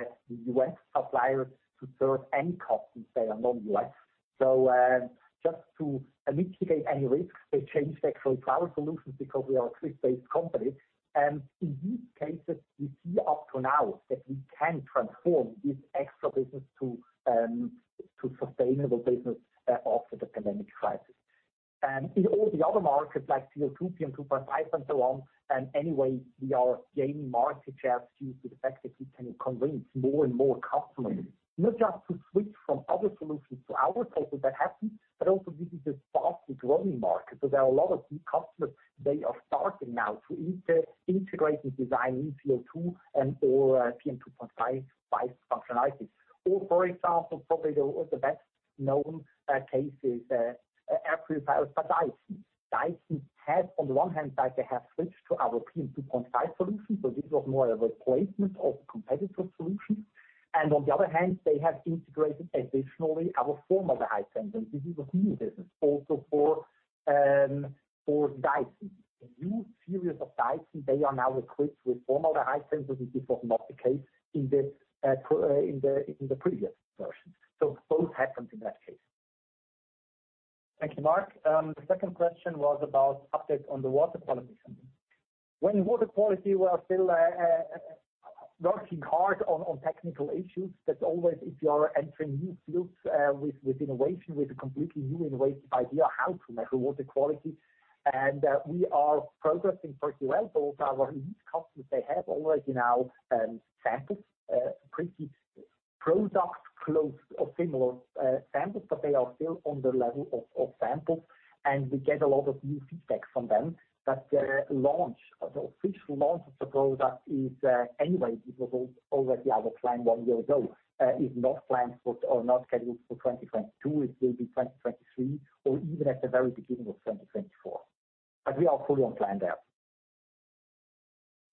U.S. suppliers to serve any customers that are non-U.S. Just to mitigate any risk, they changed actually to our solutions because we are a Swiss-based company. In these cases, we see up to now that we can transform this extra business to sustainable business after the pandemic crisis. In all the other markets like CO2, PM2.5, and so on, anyway, we are gaining market share due to the fact that we can convince more and more customers, not just to switch from other solutions to our solutions, that happens, but also this is a fastest growing market. There are a lot of new customers, they are starting now to integrate and design in CO2 and or PM2.5 bi-functionalities. Or for example, probably the best-known case is air purifiers for Dyson. Dyson has on the one hand, they have switched to our PM2.5 solution. This was more a replacement of competitor solutions. On the other hand, they have integrated additionally our formaldehyde sensors. This is a new business also for Dyson. The new series of Dyson, they are now equipped with formaldehyde sensors, and this was not the case in the previous version. Both happened in that case. Thank you, Marc. The second question was about update on the water quality. We were still working hard on water quality technical issues, that's always if you are entering new fields with innovation, with a completely new innovative idea how to measure water quality. We are progressing pretty well. Our lead customers, they have already now, samples, pretty product close or similar, samples, but they are still on the level of samples, and we get a lot of new feedback from them. The launch, the official launch of the product is, anyway, this was already our plan one year ago, is not planned for or not scheduled for 2022. It will be 2023, or even at the very beginning of 2024. We are fully on plan there.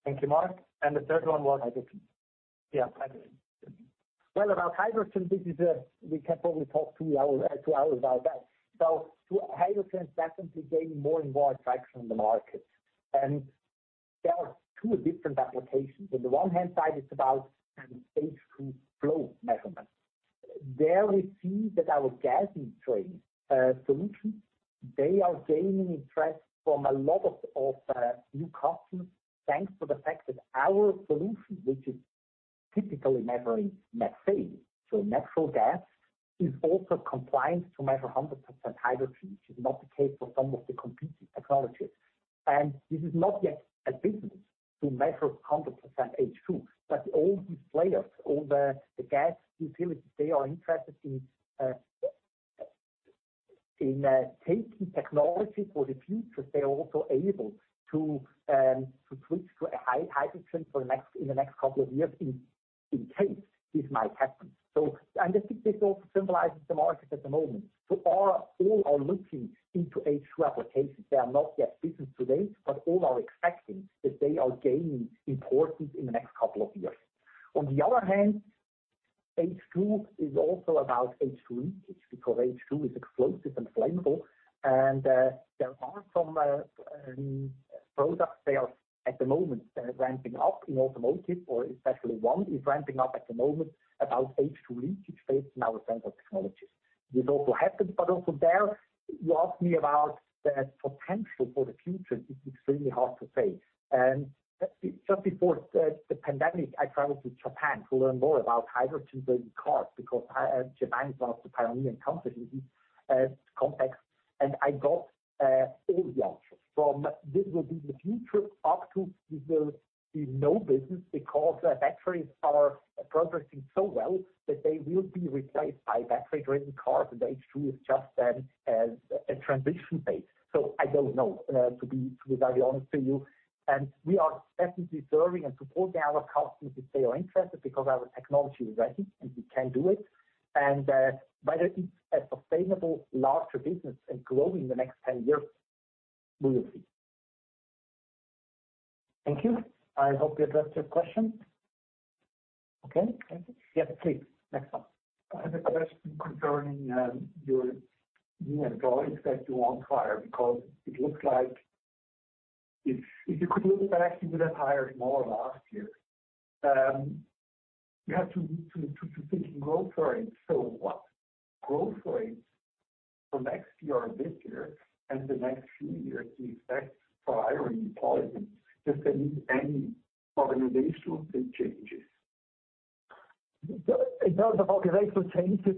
Thank you, Marc. The third one was hydrogen. Yeah, hydrogen. Well, about hydrogen, this is a we can probably talk two hours about that. Hydrogen is definitely gaining more and more traction in the market. There are two different applications. On the one hand side, it's about kind of H2 flow measurement. There we see that our gas industry solutions they are gaining interest from a lot of new customers thanks to the fact that our solution, which is typically measuring methane, so natural gas, is also compliant to measure 100% hydrogen, which is not the case for some of the competing technologies. This is not yet a business to measure 100% H2, but all these players, all the gas utilities, they are interested in taking technology for the future. They are also able to switch to a hydrogen in the next couple of years in case this might happen. I think this also symbolizes the market at the moment. All are looking into H2 applications. They are not yet big business today, but all are expecting that they are gaining importance in the next couple of years. On the other hand, H2 is also about H2 leakage, because H2 is explosive and flammable. There are some products that are at the moment ramping up in automotive, or especially one is ramping up at the moment about H2 leakage based on our sensor technologies. This also happens, but also there, you ask me about the potential for the future, it's extremely hard to say. Just before the pandemic, I traveled to Japan to learn more about hydrogen fuel cell cars because Japan is one of the pioneering countries in this complex. I don't have all the answers for this. Will this be the future or will this be no business because batteries are progressing so well that they will be replaced by battery-driven cars, and H2 is just then a transition phase. I don't know, to be very honest with you. We are definitely serving and supporting our customers if they are interested because our technology is ready and we can do it. Whether it's a sustainable larger business and grow in the next 10 years, we will see. Thank you. I hope we addressed your question. Okay. Thank you. Yes, please. Next one. I have a question concerning your new employees that you want to hire, because it looks like if you could look back, you would have hired more last year. You have to think in growth rates. What growth rates for next year or this year and the next few years do you expect for hiring employees? Does that mean any organizational changes? In terms of organizational changes,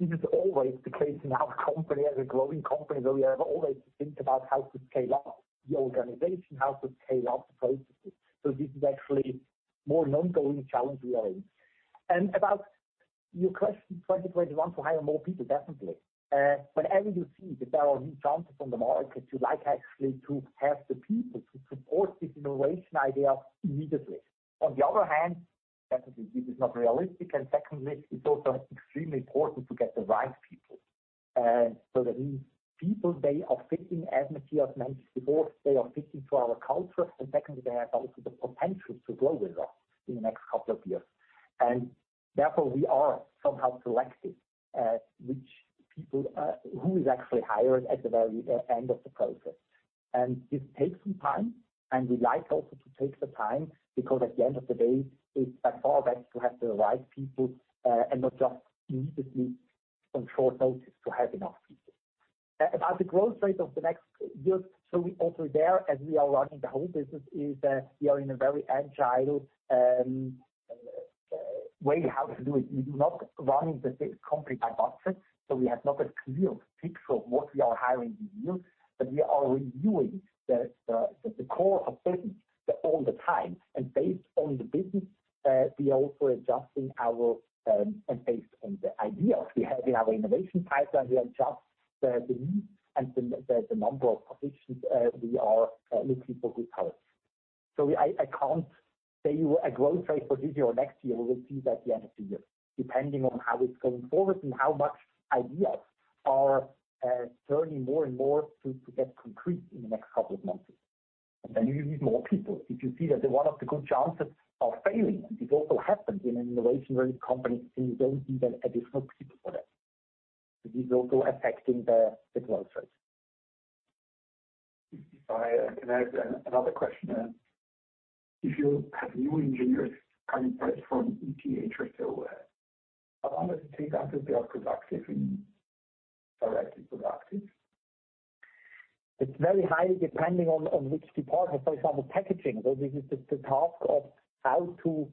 this is always the case in our company. As a growing company, we have always to think about how to scale up the organization, how to scale up the processes. This is actually more an ongoing challenge we are in. About your question, 2021, to hire more people, definitely. Whenever you see that there are new chances on the market, you like actually to have the people to support this innovation idea immediately. On the other hand, definitely this is not realistic. Secondly, it's also extremely important to get the right people. That means people, they are fitting, as Matthias mentioned before, they are fitting to our culture. Secondly, they have also the potential to grow with us in the next couple of years. Therefore, we are somehow selective which people who is actually hired at the very end of the process. This takes some time, and we like also to take the time because at the end of the day, it's by far better to have the right people and not just immediately on short notice to have enough people. About the growth rate of the next years, so we also there, as we are running the whole business, is we are in a very agile way how to do it. We do not running the same company by budget, so we have not a clear picture of what we are hiring this year. We are reviewing the core of business all the time. Based on the business, we are also adjusting our, and based on the ideas we have in our innovation pipeline, we adjust the needs and the number of positions, we are looking for good talent. I can't tell you a growth rate for this year or next year. We will see that at the end of the year, depending on how it's going forward and how much ideas are turning more and more to get concrete in the next couple of months. Then you need more people. If you see that one of the good chances are failing, and this also happens in an innovation-driven company, then you don't need the additional people for that. This is also affecting the growth rates. If I can ask another question. If you have new engineers coming fresh from ETH or so, how long does it take until they are productive and directly productive? It's very highly depending on which department. For example, packaging. This is the task of how to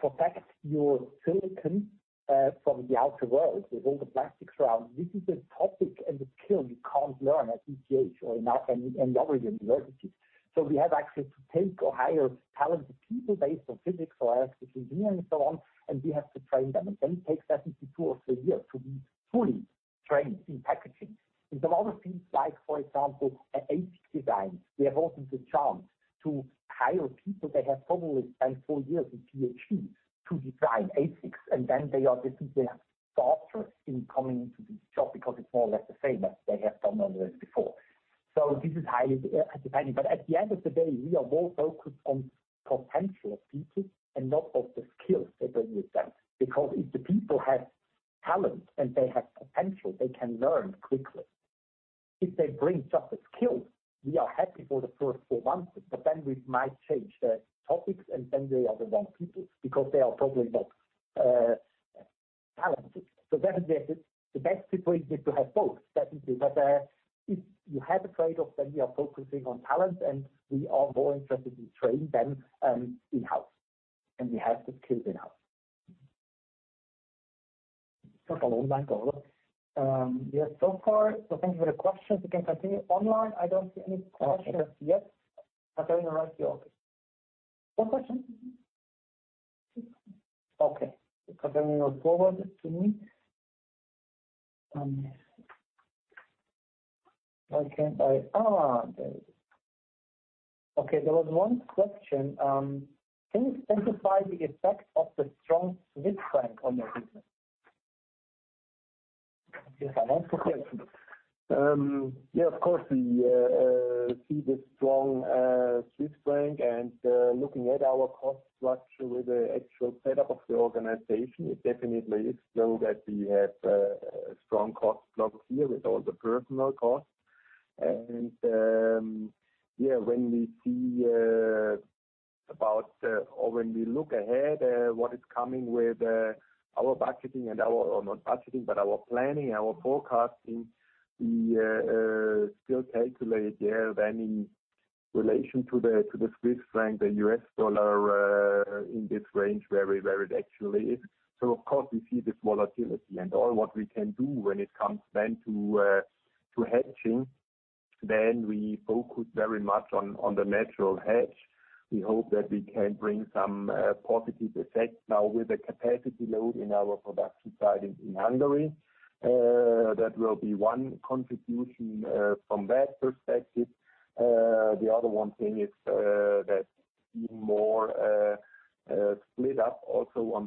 protect your silicon from the outer world with all the plastics around. This is a topic and a skill you can't learn at ETH or in any other universities. We have actually to take or hire talented people based on physics or electrical engineering and so on, and we have to train them. Then it takes definitely two or three years to be fully trained in packaging. In some other fields, like for example, ASIC design, we have also the chance to hire people that have probably spent four years in PhD to design ASICs, and then they are definitely faster in coming into this job because it's more or less the same as they have done on this before. This is highly depending. At the end of the day, we are more focused on potential of people and not of the skills they bring with them. Because if the people have talent and they have potential, they can learn quickly. If they bring just the skills, we are happy for the first four months, but then we might change the topics, and then they are the wrong people because they are probably not talented. I think the best situation is to have both, definitely. If you have a trade-off, then we are focusing on talent, and we are more interested in training them in-house, and we have the skills in-house. Follow online goal. Yes, so far. Thank you for the questions. We can continue online. I don't see any questions yet. Katrina, no question? Okay. Katrina, move forward to me. There we go. Okay. There was one question. Can you specify the effect of the strong Swiss franc on your business? Yes, I want to. Yes. Yeah, of course, we see the strong Swiss franc and looking at our cost structure with the actual setup of the organization, it definitely is so that we have strong cost block here with all the personnel costs. Yeah, when we look ahead what is coming with our planning, our forecasting, we still calculate, yeah, then in relation to the Swiss franc, the US dollar in this range where it actually is. Of course, we see this volatility. All what we can do when it comes then to hedging, then we focus very much on the natural hedge. We hope that we can bring some positive effect now with the capacity load in our production site in Hungary. That will be one contribution from that perspective. The other one thing is that even more split up also on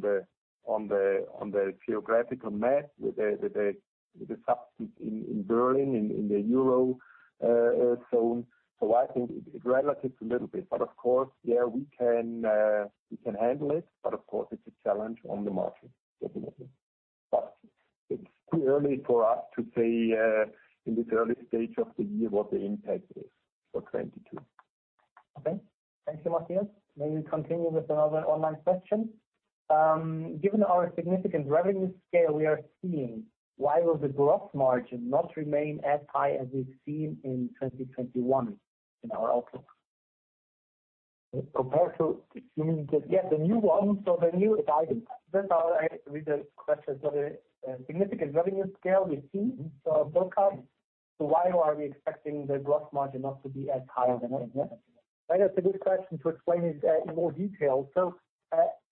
the geographical map with the subsidy in Berlin in the Euro zone. I think it relieves a little bit, but of course, yeah, we can handle it, but of course it's a challenge on the margin, definitely. It's too early for us to say in this early stage of the year what the impact is for 2022. Okay. Thank you, Matthias. May we continue with another online question? Given our significant revenue scale we are seeing, why will the gross margin not remain as high as we've seen in 2021 in our outlook? Compared to. You mean the. Yeah, the new one. The new guidance. First I read the question. The significant revenue scale we've seen. Why are we expecting the gross margin not to be as high than that, yeah? That is a good question to explain it in more detail.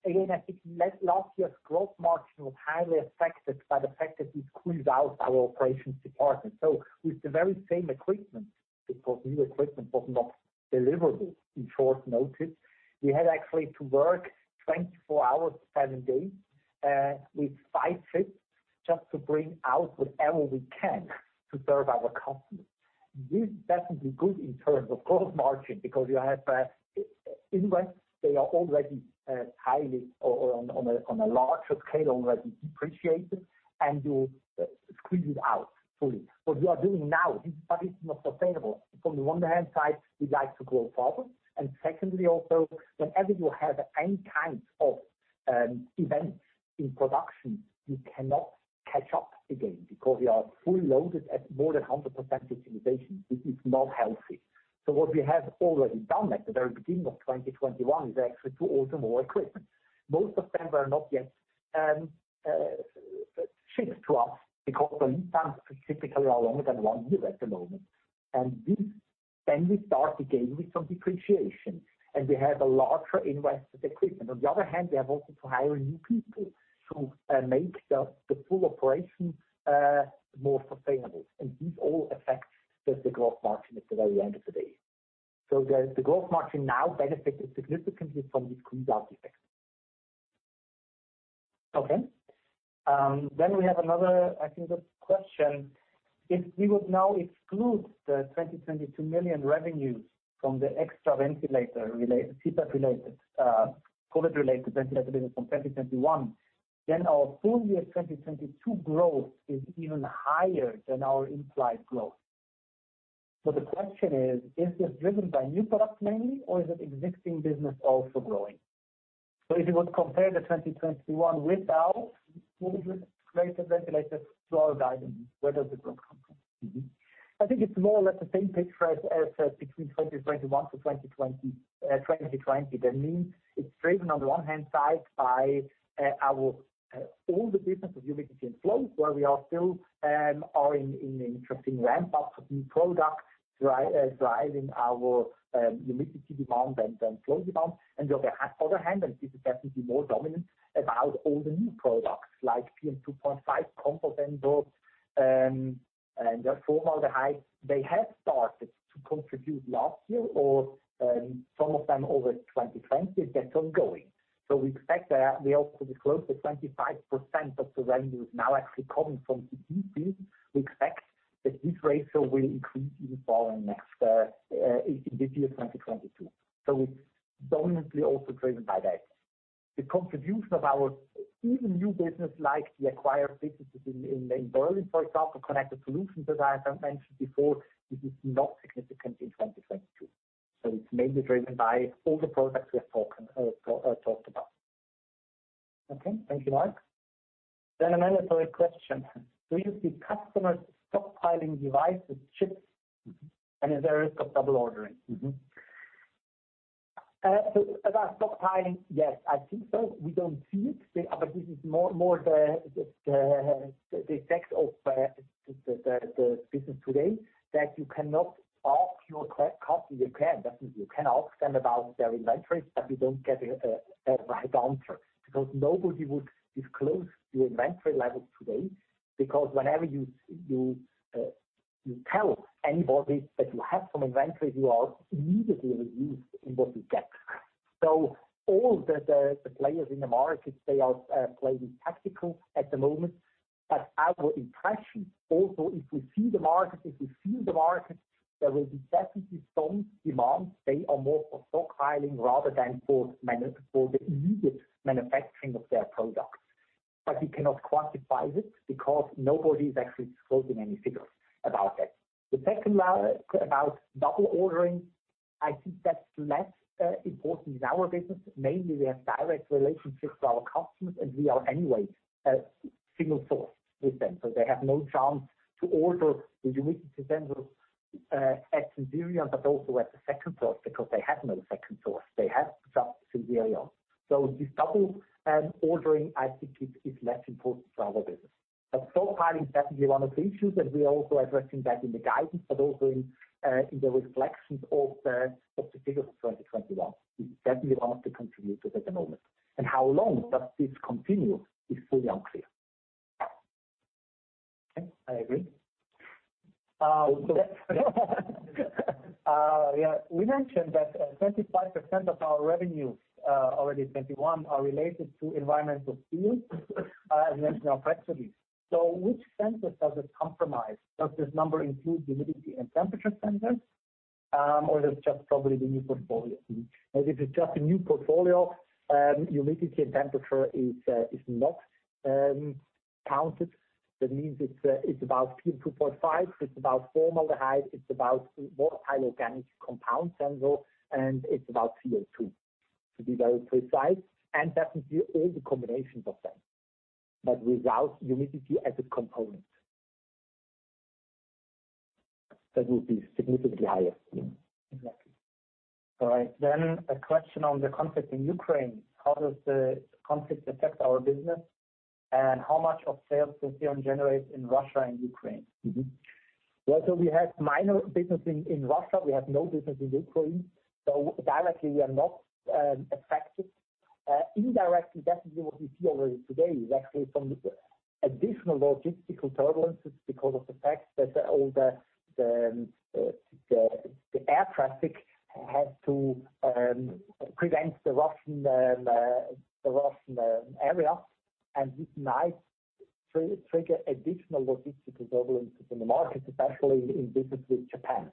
Again, I think last year's gross margin was highly affected by the fact that we squeezed out our operations department. With the very same equipment, because new equipment was not deliverable in short notice, we had actually to work 24 hours, 7 days, with five shifts just to bring out whatever we can to serve our customers. This is definitely good in terms of gross margin because you have investments. They are already highly or on a larger scale already depreciated, and you squeeze it out fully. What we are doing now is, but it's not sustainable. On the one hand, we like to grow further. Secondly, also, whenever you have any kind of event in production, we cannot catch up again because we are fully loaded at more than 100% utilization. It is not healthy. What we have already done at the very beginning of 2021 is actually to order more equipment. Most of them are not yet shipped to us because the lead times specifically are longer than one year at the moment. And then we start again with some depreciation, and we have a larger investment in equipment. On the other hand, we have also to hire new people to make the full operation more sustainable. These all affect just the gross margin at the very end of the day. The growth margin now benefited significantly from the squeezed out effect. Then we have another, I think, good question. If we would now exclude the 22 million revenues from the extra ventilator CPAP related, COVID related ventilator business from 2021. Then our full year 2022 growth is even higher than our implied growth. The question is this driven by new products mainly, or is it existing business also growing? If you would compare the 2021 without, would you create a relatively slower guidance? Where does the growth come from? I think it's more or less the same picture as between 2021 to 2020. That means it's driven on the one hand side by our all the business of humidity and flow, where we are still in an interesting ramp-up of new products driving our humidity demand and flow demand. The other hand, and this is definitely more dominant about all the new products like PM2.5, VOCs, and formaldehyde, they have started to contribute last year or some of them over 2020. That's ongoing. We expect that we also disclose that 25% of the revenue is now actually coming from PPC. We expect that this ratio will increase even more in next in this year, 2022. It's dominantly also driven by that. The contribution of our even new business like the acquired businesses in Berlin, for example, Connected Solutions, as I mentioned before, this is not significant in 2022. It's mainly driven by all the products we have talked about. Okay, thank you, Marc. Another question. Do you see customers stockpiling devices, chips? Mm-hmm. Is there a risk of double ordering? About stockpiling, yes. I think so. We don't see it, but this is more the effect of the business today, that you cannot ask your customers. You can definitely ask them about their inventories, but you don't get a right answer, because nobody would disclose your inventory levels today. Because whenever you tell anybody that you have some inventories, you are immediately reduced in what you get. All the players in the market, they are playing tactical at the moment. Our impression also, if we see the market, if we feel the market, there will be definitely some demands. They are more for stockpiling rather than for the immediate manufacturing of their products. We cannot quantify it because nobody is actually disclosing any figures about that. About double ordering, I think that's less important in our business. Mainly, we have direct relationships to our customers, and we are anyway a single source with them, so they have no chance to order the humidity sensors at Sensirion, but also at the second source, because they have no second source. They have just Sensirion. So this double ordering, I think it is less important for our business. But so far it's definitely one of the issues, and we are also addressing that in the guidance, but also in the reflections of the figures of 2021. It's definitely one of the contributors at the moment. How long does this continue is fully unclear. Okay. I agree. So yeah. We mentioned that 25% of our revenue already in 2021 are related to environmental fields, as mentioned previously. Which sensors does it comprise? Does this number include humidity and temperature sensors, or is it just the new portfolio? It is just a new portfolio. Humidity and temperature is not counted. That means it's about PM2.5, it's about formaldehyde, it's about volatile organic compound sensor, and it's about CO2, to be very precise, and definitely all the combinations of them. Without humidity as a component. That will be significantly higher. Exactly. All right. A question on the conflict in Ukraine. How does the conflict affect our business, and how much of sales does Sensirion generate in Russia and Ukraine? Well, we have minor business in Russia. We have no business in Ukraine. Directly, we are not affected. Indirectly, definitely what we see already today is actually some additional logistical turbulences because of the fact that all the air traffic had to prevent the Russian area, and this might trigger additional logistical turbulences in the market, especially in business with Japan.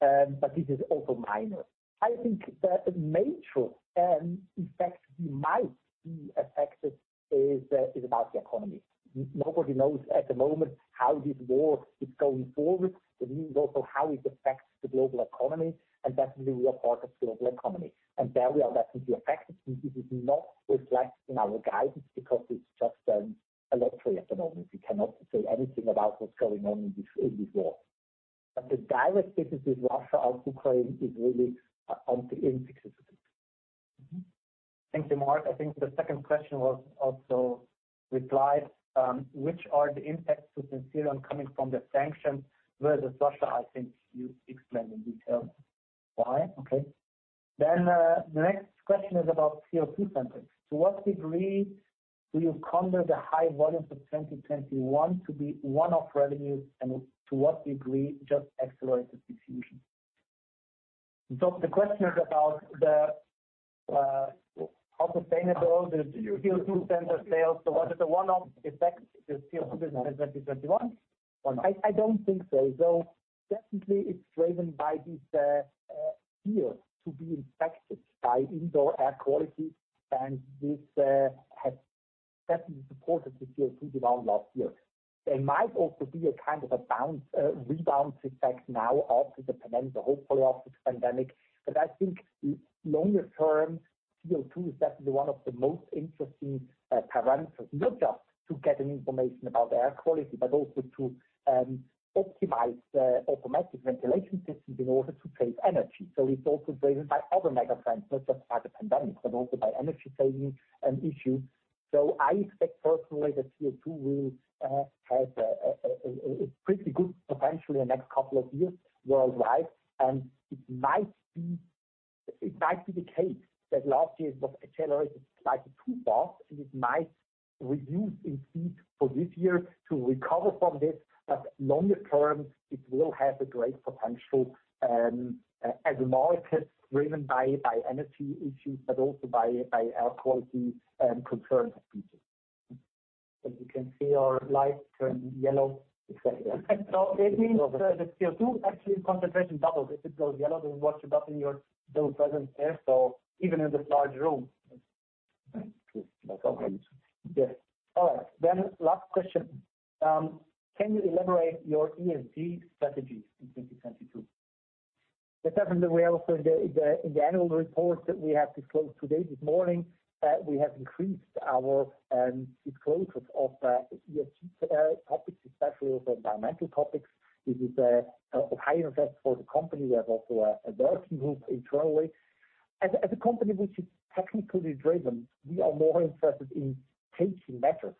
This is also minor. I think the major effect we might be affected is about the economy. Nobody knows at the moment how this war is going forward. That means also how it affects the global economy, and definitely we are part of global economy, and there we are definitely affected. This is not reflected in our guidance because it's just a lottery at the moment. We cannot say anything about what's going on in this war. The direct business with Russia or Ukraine is really insignificant. Mm-hmm. Thank you, Marc. I think the second question was also replied. Which are the impacts to Sensirion coming from the sanctions versus Russia? I think you explained in detail. Why? Okay. The next question is about CO2 sensors. To what degree do you count on the high volumes of 2021 to be one-off revenues and to what degree just accelerated diffusion? The question is about the how sustainable the CO2 sensor sales. Was it a one-off effect, the CO2 business in 2021? One-off. I don't think so, though definitely it's driven by this fear to be infected by indoor air quality, and this has definitely supported the CO2 demand last year. There might also be a kind of a bounce rebound effect now after the pandemic, hopefully after the pandemic. I think longer term, CO2 is definitely one of the most interesting parameters, not just to get an information about air quality, but also to optimize the automatic ventilation systems in order to save energy. It's also driven by other mega trends, not just by the pandemic, but also by energy saving issue. I expect personally that CO2 will have a pretty good potential in the next couple of years worldwide. It might be the case that last year's was accelerated slightly too fast, and it might reduce indeed for this year to recover from this. Longer term, it will have a great potential as a market driven by energy issues, but also by air quality concerns of people. As you can see, our light turned yellow. Exactly. It means the CO2 actually concentration doubled. If it goes yellow, then watch it up in your those presence there. Even in this large room. True. That's okay. Yes. All right. Last question. Can you elaborate your ESG strategies in 2022? That's something that we also in the annual report that we have disclosed today, this morning, we have increased our disclosures of ESG topics, especially of environmental topics. This is a high interest for the company. We have also a working group internally. As a company which is technically driven, we are more interested in taking measures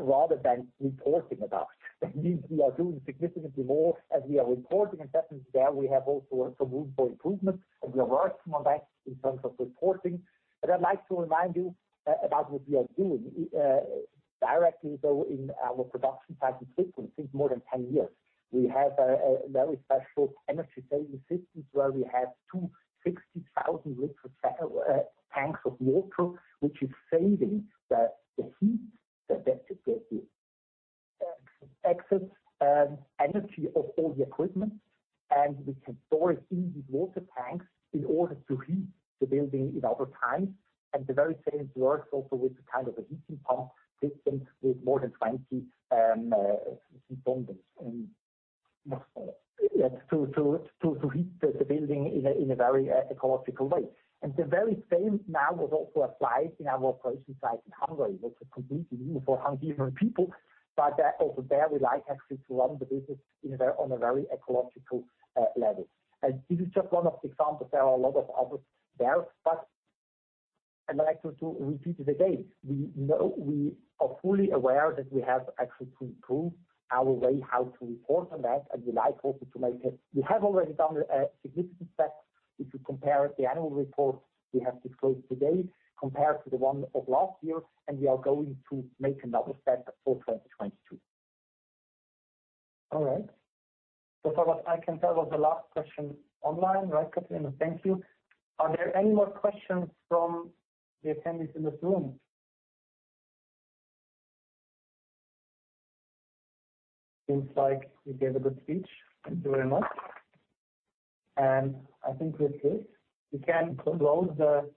rather than reporting about. That means we are doing significantly more as we are reporting, and certainly there we have also some room for improvement, and we are working on that in terms of reporting. I'd like to remind you about what we are doing directly though in our production sites and systems, since more than 10 years. We have a very special energy saving systems where we have 260,000-liter tanks of water, which is saving the heat that the excess energy of all the equipment, and we can store it in these water tanks in order to heat the building in other times. The very same works also with kind of a heat pump system with more than 20 systems. Yes, to heat the building in a very ecological way. The very same now was also applied in our operations site in Hungary, which is completely new for Hungarian people, but also there we like actually to run the business in a very ecological level. This is just one of the examples. There are a lot of others there. I'd like to repeat it again. We are fully aware that we have actually to improve our way how to report on that, and we like also to make it. We have already done a significant step if you compare the annual report we have disclosed today compared to the one of last year, and we are going to make another step for 2022. All right. So far as I can tell, that was the last question online, right, Katrina? Thank you. Are there any more questions from the attendees in this room? Seems like you gave a good speech. Thank you very much. I think with this, we can close the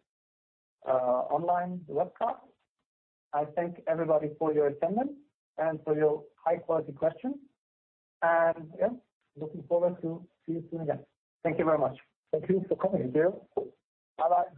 online webcast. I thank everybody for your attendance and for your high quality questions. Yeah, looking forward to see you soon again. Thank you very much. Thank you for coming. See you. Bye-bye.